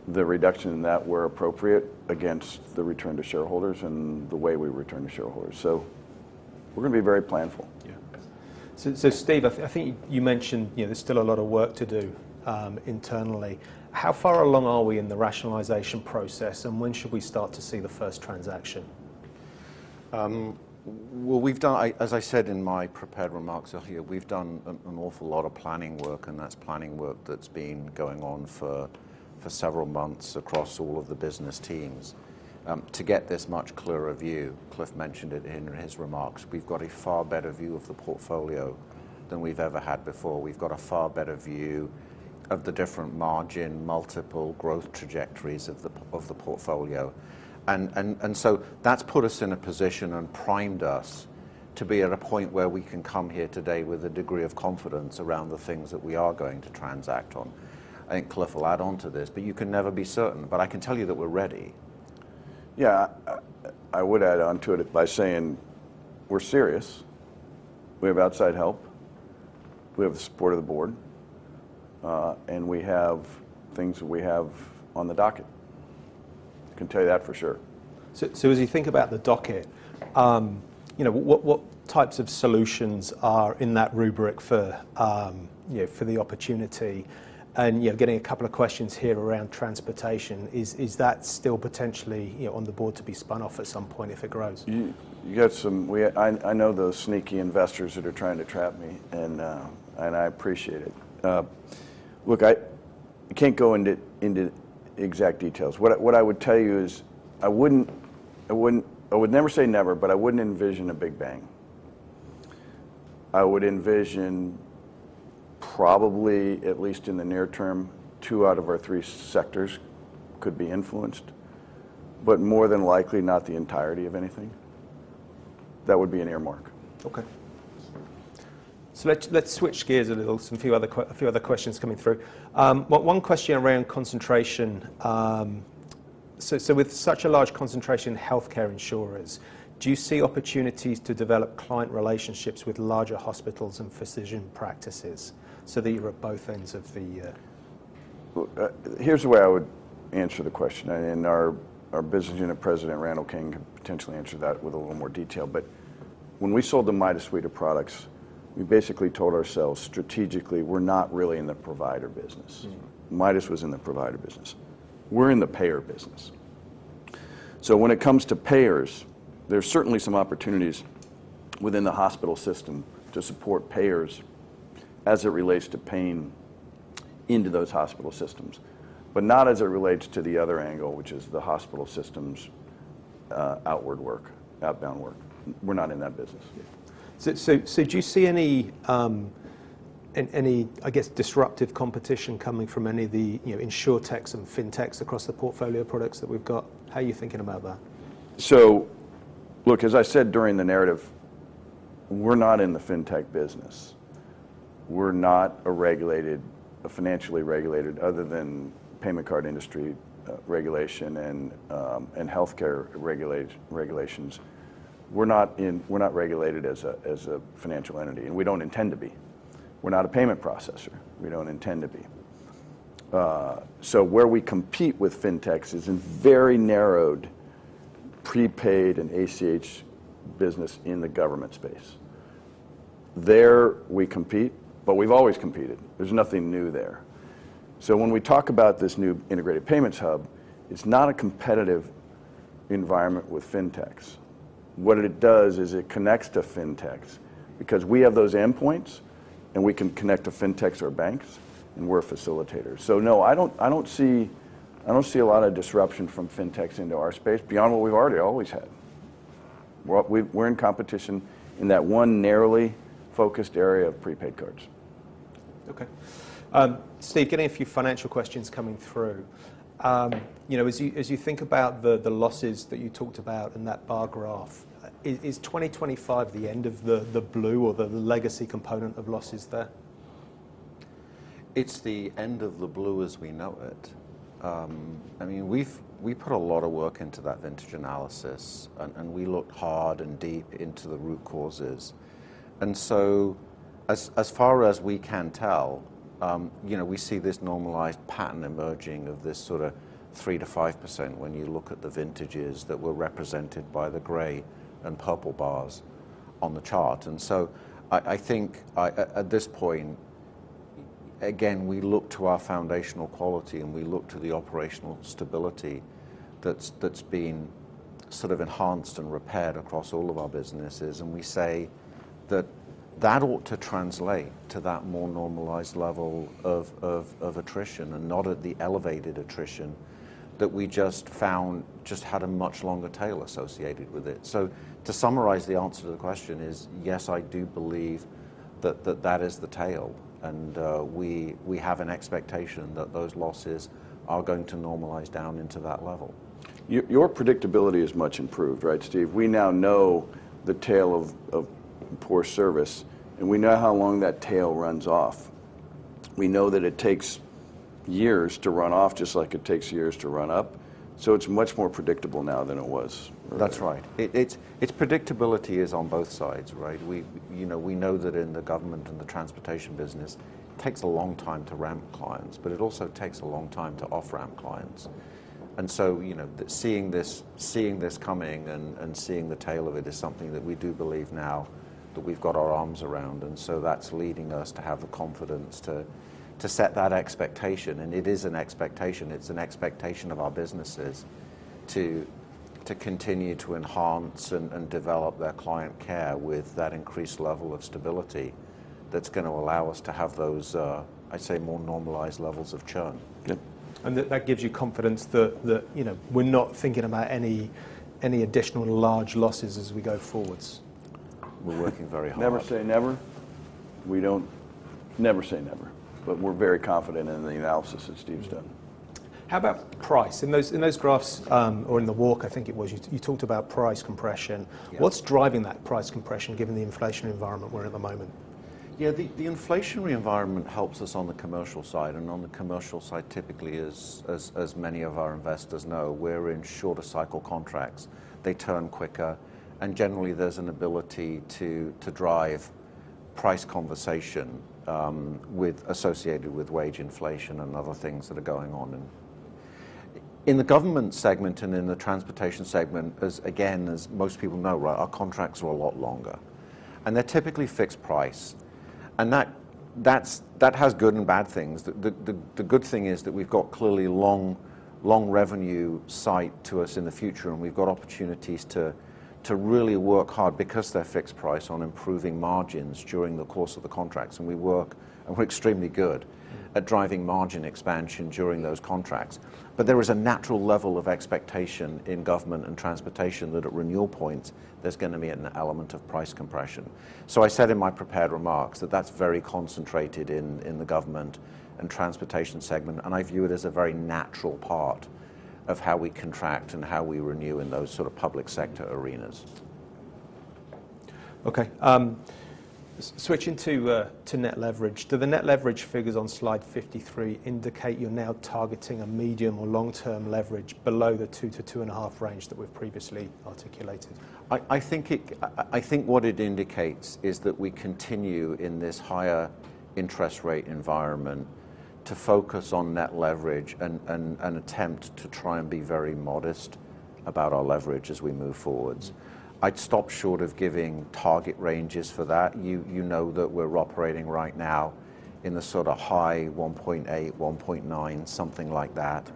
the reduction in that where appropriate against the return to shareholders and the way we return to shareholders. We're gonna be very planful. Yeah. Steve, I think you mentioned, you know, there's still a lot of work to do, internally. How far along are we in the rationalization process, and when should we start to see the first transaction? Well, I, as I said in my prepared remarks, Zahir, we've done an awful lot of planning work, and that's planning work that's been going on for several months across all of the business teams to get this much clearer view. Cliff mentioned it in his remarks. We've got a far better view of the portfolio than we've ever had before. We've got a far better view of the different margin, multiple growth trajectories of the portfolio. That's put us in a position and primed us to be at a point where we can come here today with a degree of confidence around the things that we are going to transact on. I think Cliff will add on to this, but you can never be certain. I can tell you that we're ready. Yeah. I would add on to it by saying we're serious. We have outside help. We have the support of the board. We have things that we have on the docket. I can tell you that for sure. As you think about the docket, you know, what types of solutions are in that rubric for, you know, for the opportunity? Getting a couple of questions here around transportation. Is that still potentially, you know, on the board to be spun off at some point if it grows? You got some. I know those sneaky investors that are trying to trap me, and I appreciate it. Look, I can't go into exact details. What I would tell you is I wouldn't. I would never say never, but I wouldn't envision a big bang. I would envision probably, at least in the near term, two out of our three sectors could be influenced, but more than likely not the entirety of anything. That would be an earmark. Okay. Let's switch gears a little. A few other questions coming through. One question around concentration. With such a large concentration in healthcare insurers, do you see opportunities to develop client relationships with larger hospitals and physician practices so that you're at both ends of the? Well, here's the way I would answer the question, and our business unit President, Randall King, could potentially answer that with a little more detail. When we sold the Midas Suite of products, we basically told ourselves strategically, we're not really in the provider business. Mm-hmm. Midas was in the provider business. We're in the payer business. When it comes to payers, there's certainly some opportunities within the hospital system to support payers as it relates to paying into those hospital systems, but not as it relates to the other angle, which is the hospital system's outward work, outbound work. We're not in that business. Do you see any, I guess, disruptive competition coming from any of the, you know, insurtechs and fintechs across the portfolio of products that we've got? How are you thinking about that? Look, as I said during the narrative. We're not in the fintech business. We're not a regulated, a financially regulated other than Payment Card Industry regulation and healthcare regulations. We're not regulated as a financial entity, and we don't intend to be. We're not a payment processor. We don't intend to be. Where we compete with fintechs is in very narrowed prepaid and ACH business in the government space. There, we compete, but we've always competed. There's nothing new there. When we talk about this new Integrated Payments Hub, it's not a competitive environment with fintechs. What it does is it connects to fintechs because we have those endpoints, and we can connect to fintechs or banks, and we're facilitators. No, I don't see a lot of disruption from fintechs into our space beyond what we've already always had. We're in competition in that one narrowly focused area of prepaid cards. Okay. Steve, getting a few financial questions coming through. You know, as you think about the losses that you talked about in that bar graph, is 2025 the end of the blue or the legacy component of losses there? It's the end of the blue as we know it. I mean, we put a lot of work into that vintage analysis, we looked hard and deep into the root causes. As far as we can tell, you know, we see this normalized pattern emerging of this sort of 3%-5% when you look at the vintages that were represented by the gray and purple bars on the chart. I think, at this point, again, we look to our foundational quality, we look to the operational stability that's been sort of enhanced and repaired across all of our businesses. We say that that ought to translate to that more normalized level of attrition and not at the elevated attrition that we just found had a much longer tail associated with it. To summarize the answer to the question is, yes, I do believe that is the tail, and we have an expectation that those losses are going to normalize down into that level. Your predictability is much improved, right, Steve? We now know the tail of poor service, and we know how long that tail runs off. We know that it takes years to run off, just like it takes years to run up. It's much more predictable now than it was earlier. That's right. Its predictability is on both sides, right? You know, we know that in the government and the transportation business, it takes a long time to ramp clients, but it also takes a long time to off-ramp clients. You know, seeing this coming and seeing the tail of it is something that we do believe now that we've got our arms around. That's leading us to have the confidence to set that expectation. It is an expectation. It's an expectation of our businesses to continue to enhance and develop their client care with that increased level of stability that's gonna allow us to have those, I'd say, more normalized levels of churn. Yep. That gives you confidence that, you know, we're not thinking about any additional large losses as we go forwards. We're working very hard on that. Never say never. We don't never say never, we're very confident in the analysis that Steve's done. How about price? In those graphs, or in the walk, I think it was, you talked about price compression. Yeah. What's driving that price compression given the inflationary environment we're in at the moment? Yeah. The inflationary environment helps us on the commercial side. On the commercial side, typically, as many of our investors know, we're in shorter cycle contracts. They turn quicker, and generally, there's an ability to drive price conversation associated with wage inflation and other things that are going on. In the government segment and in the transportation segment, as again, as most people know, right, our contracts are a lot longer, and they're typically fixed price. That has good and bad things. The good thing is that we've got clearly long revenue sight to us in the future, and we've got opportunities to really work hard because they're fixed price on improving margins during the course of the contracts. We work, and we're extremely good at driving margin expansion during those contracts. There is a natural level of expectation in government and transportation that at renewal points, there's gonna be an element of price compression. I said in my prepared remarks that that's very concentrated in the government and transportation segment, and I view it as a very natural part of how we contract and how we renew in those sort of public sector arenas. Switching to net leverage. Do the net leverage figures on slide 53 indicate you're now targeting a medium or long-term leverage below the 2-2.5 range that we've previously articulated? I think what it indicates is that we continue in this higher interest rate environment to focus on net leverage and attempt to try and be very modest about our leverage as we move forwards. I'd stop short of giving target ranges for that. You know that we're operating right now in the sorta high 1.8, 1.9, something like that.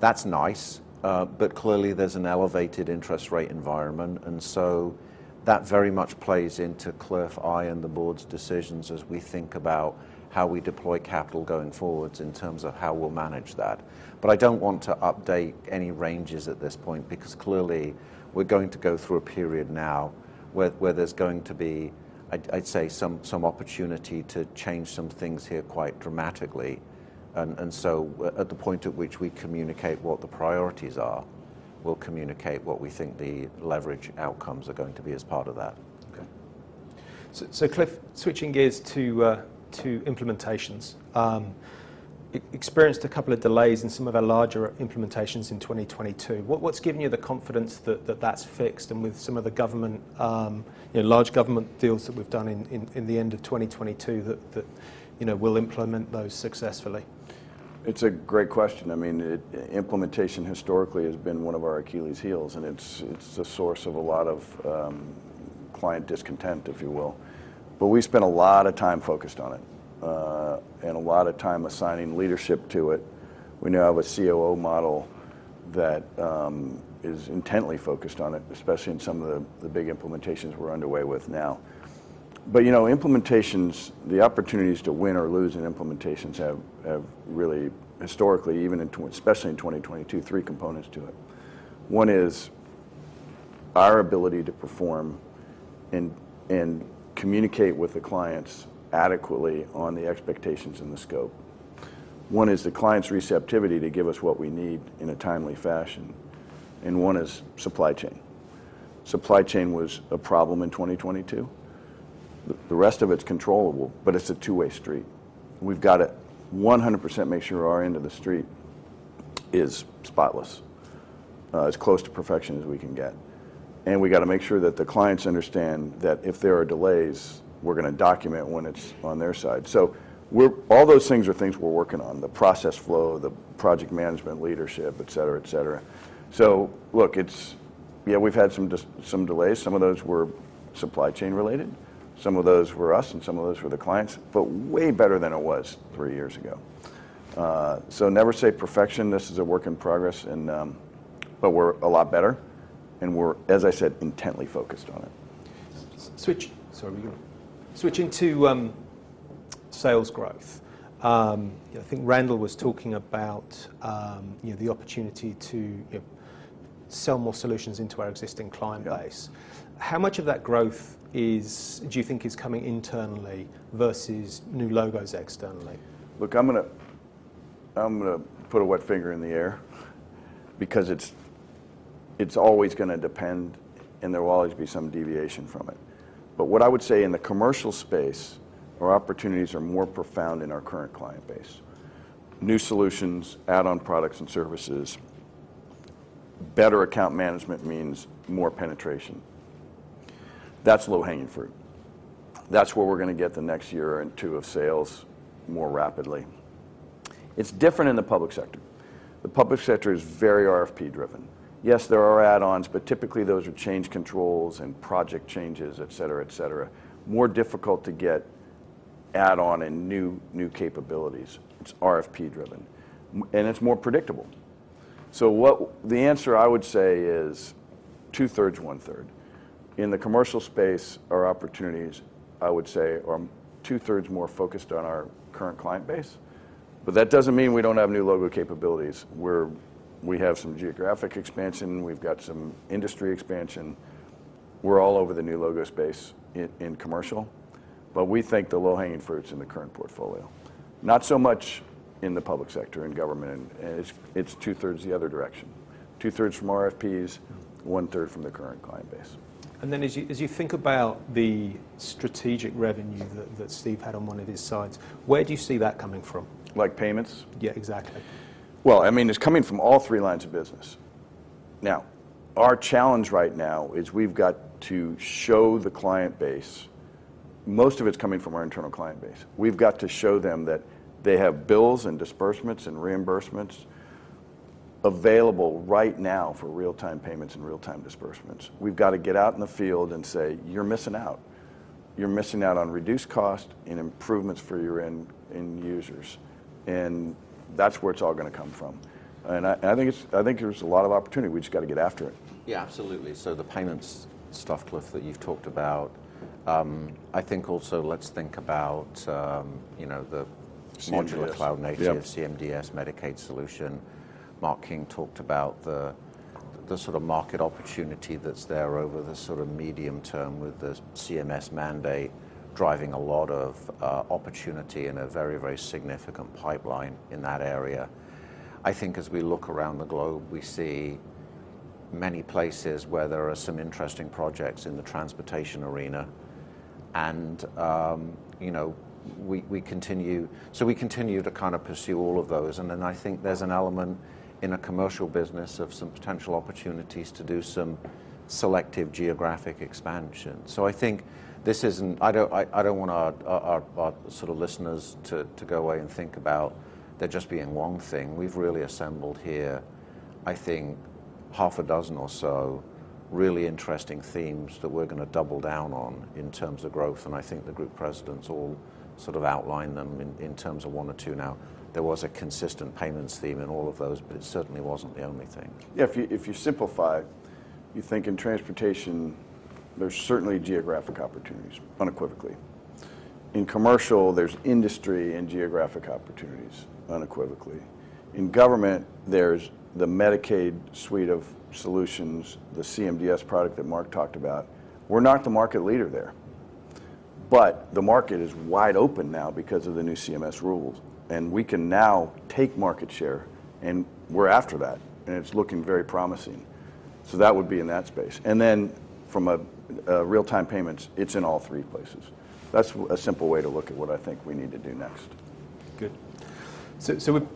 That's nice, but clearly, there's an elevated interest rate environment. That very much plays into Cliff and the board's decisions as we think about how we deploy capital going forwards in terms of how we'll manage that. I don't want to update any ranges at this point because clearly we're going to go through a period now where there's going to be, I'd say, some opportunity to change some things here quite dramatically. At the point at which we communicate what the priorities are, we'll communicate what we think the leverage outcomes are going to be as part of that. Cliff, switching gears to implementations. experienced a couple of delays in some of our larger implementations in 2022. What's giving you the confidence that that's fixed and with some of the government, you know, large government deals that we've done in the end of 2022 that, you know, we'll implement those successfully? It's a great question. I mean, implementation historically has been one of our achilles heels, and it's the source of a lot of client discontent, if you will. We spent a lot of time focused on it, and a lot of time assigning leadership to it. We now have a COO model that is intently focused on it, especially in some of the big implementations we're underway with now. You know, implementations, the opportunities to win or lose in implementations have really historically, even especially in 2022, three components to it. One is our ability to perform and communicate with the clients adequately on the expectations and the scope. One is the client's receptivity to give us what we need in a timely fashion. One is supply chain. Supply chain was a problem in 2022. The rest of it's controllable. It's a two-way street. We've got to 100% make sure our end of the street is spotless, as close to perfection as we can get. We gotta make sure that the clients understand that if there are delays, we're gonna document when it's on their side. All those things are things we're working on, the process flow, the project management leadership, et cetera, et cetera. Yeah, we've had some delays. Some of those were supply chain related, some of those were us, and some of those were the clients. Way better than it was three years ago. Never say perfection. This is a work in progress and we're a lot better and we're, as I said, intently focused on it. Switch- Just- Sorry, you go on. Switching to sales growth. I think Randall was talking about, you know, the opportunity to, you know, sell more solutions into our existing client base. Yeah. How much of that growth is, do you think is coming internally versus new logos externally? Look, I'm gonna put a wet finger in the air because it's always gonna depend, and there will always be some deviation from it. What I would say in the commercial space, our opportunities are more profound in our current client base. New solutions, add-on products and services, better account management means more penetration. That's low-hanging fruit. That's where we're gonna get the next year and two of sales more rapidly. It's different in the public sector. The public sector is very RFP driven. Yes, there are add-ons, but typically those are change controls and project changes, et cetera, et cetera. More difficult to get add-on and new capabilities. It's RFP driven and it's more predictable. The answer I would say is 2/3, 1/3. In the commercial space, our opportunities, I would say, are 2/3 more focused on our current client base. That doesn't mean we don't have new logo capabilities, where we have some geographic expansion, we've got some industry expansion. We're all over the new logo space in commercial, but we think the low-hanging fruit's in the current portfolio. Not so much in the public sector and government. It's two-thirds the other direction. Two-thirds from RFPs, one-third from the current client base. As you think about the strategic revenue that Steve had on one of his slides, where do you see that coming from? Like payments? Yeah, exactly. Well, I mean, it's coming from all three lines of business. Our challenge right now is we've got to show the client base, most of it's coming from our internal client base. We've got to show them that they have bills and disbursements and reimbursements available right now for real-time payments and real-time disbursements. We've got to get out in the field and say, "You're missing out. You're missing out on reduced cost and improvements for your end-end users." That's where it's all gonna come from. I think there's a lot of opportunity. We just gotta get after it. Yeah, absolutely. The payments stuff, Cliff, that you've talked about, I think also let's think about, you know, the modular cloud-native. CMDS CMDS Medicaid solution. Mark King talked about the sort of market opportunity that's there over the sort of medium term with the CMS mandate driving a lot of opportunity and a very significant pipeline in that area. I think as we look around the globe, we see many places where there are some interesting projects in the transportation arena and, you know, we continue. We continue to kind of pursue all of those, and then I think there's an element in the commercial business of some potential opportunities to do some selective geographic expansion. I think this isn't. I don't want our sort of listeners to go away and think about there just being one thing. We've really assembled here, I think, half a dozen or so really interesting themes that we're gonna double down on in terms of growth, and I think the group presidents all sort of outlined them in terms of one or two now. There was a consistent payments theme in all of those, but it certainly wasn't the only thing. Yeah, if you simplify, you think in transportation, there's certainly geographic opportunities, unequivocally. In commercial, there's industry and geographic opportunities, unequivocally. In government, there's the Medicaid suite of solutions, the CMDS product that Mark talked about. We're not the market leader there, but the market is wide open now because of the new CMS rules, and we can now take market share, and we're after that, and it's looking very promising. That would be in that space. Then from a real-time payments, it's in all three places. That's a simple way to look at what I think we need to do next. Good.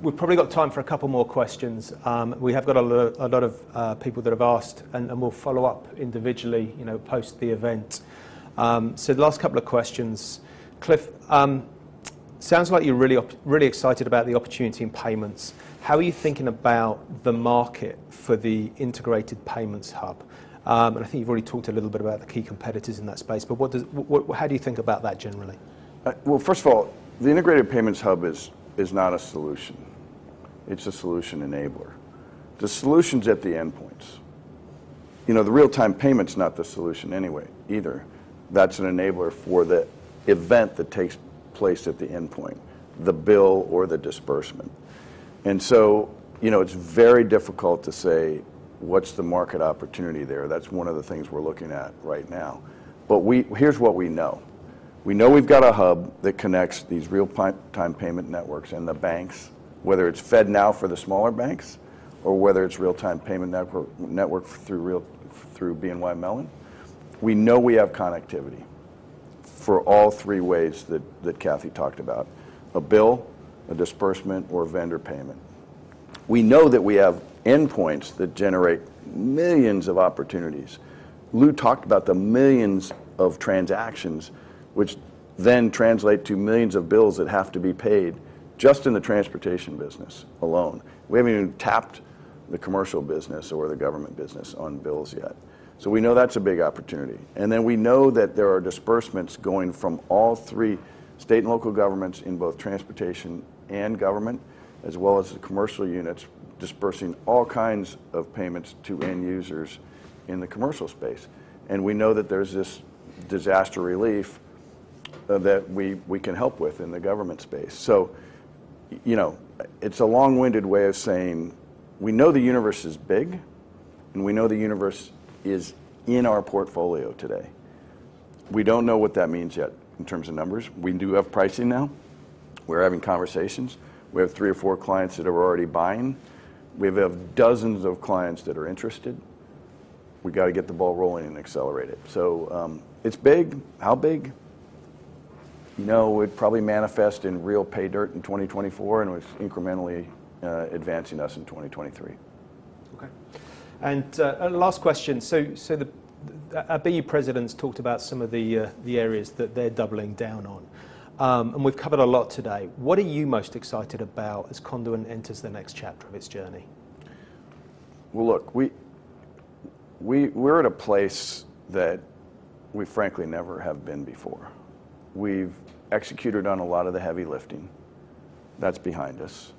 We've probably got time for a couple more questions. We have got a lot of people that have asked, and we'll follow up individually, you know, post the event. The last couple of questions. Cliff, sounds like you're really, really excited about the opportunity in payments. How are you thinking about the market for the Integrated Payments Hub? I think you've already talked a little bit about the key competitors in that space, but what does what how do you think about that generally? Well, first of all, the Integrated Payments Hub is not a solution. It's a solution enabler. The solution's at the endpoints. You know, the real-time payment's not the solution anyway either. That's an enabler for the event that takes place at the endpoint, the bill or the disbursement. You know, it's very difficult to say what's the market opportunity there. That's one of the things we're looking at right now. Here's what we know. We know we've got a hub that connects these real-time payment networks and the banks, whether it's FedNow for the smaller banks or whether it's real-time payment network through BNY Mellon. We know we have connectivity for all three ways that Kathy talked about: a bill, a disbursement, or a vendor payment. We know that we have endpoints that generate millions of opportunities. Lou talked about the millions of transactions which then translate to millions of bills that have to be paid just in the transportation business alone. We haven't even tapped the commercial business or the government business on bills yet. We know that's a big opportunity. We know that there are disbursements going from all three state and local governments in both transportation and government, as well as the commercial units disbursing all kinds of payments to end users in the commercial space. We know that there's this disaster relief that we can help with in the government space. You know, it's a long-winded way of saying, we know the universe is big, and we know the universe is in our portfolio today. We don't know what that means yet in terms of numbers. We do have pricing now. We're having conversations. We have three or four clients that are already buying. We have dozens of clients that are interested. We gotta get the ball rolling and accelerate it. It's big. How big? No, it'd probably manifest in real pay dirt in 2024, and we're incrementally advancing us in 2023. Okay. Last question. Our BU presidents talked about some of the areas that they're doubling down on. We've covered a lot today. What are you most excited about as Conduent enters the next chapter of its journey? Look, we're at a place that we frankly never have been before. We've executed on a lot of the heavy lifting. That's behind us.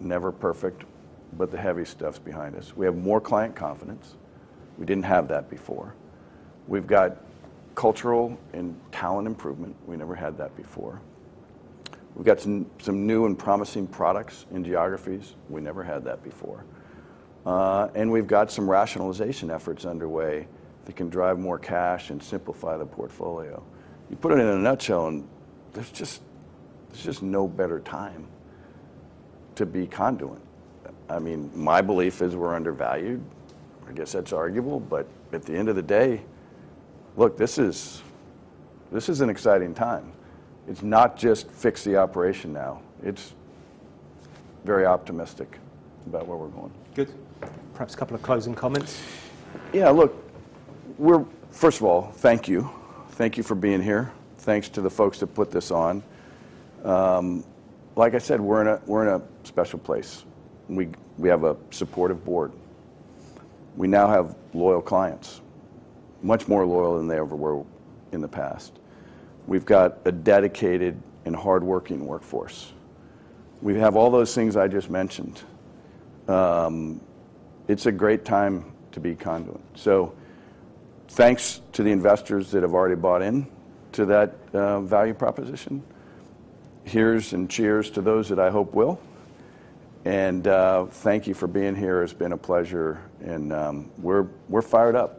Never perfect, but the heavy stuff's behind us. We have more client confidence. We didn't have that before. We've got cultural and talent improvement. We never had that before. We've got some new and promising products and geographies. We never had that before. We've got some rationalization efforts underway that can drive more cash and simplify the portfolio. You put it in a nutshell, there's just no better time to be Conduent. I mean, my belief is we're undervalued. I guess that's arguable, but at the end of the day, look, this is an exciting time. It's not just fix the operation now. It's very optimistic about where we're going. Good. Perhaps a couple of closing comments. Yeah. Look, first of all, thank you. Thank you for being here. Thanks to the folks that put this on. Like I said, we're in a special place, and we have a supportive board. We now have loyal clients, much more loyal than they ever were in the past. We've got a dedicated and hardworking workforce. We have all those things I just mentioned. It's a great time to be Conduent. Thanks to the investors that have already bought in to that value proposition. Here's and cheers to those that I hope will. Thank you for being here. It's been a pleasure and we're fired up.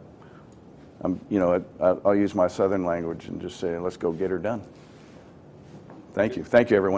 You know, I'll use my Southern language and just say let's go get her done. Thank you. Thank you, everyone.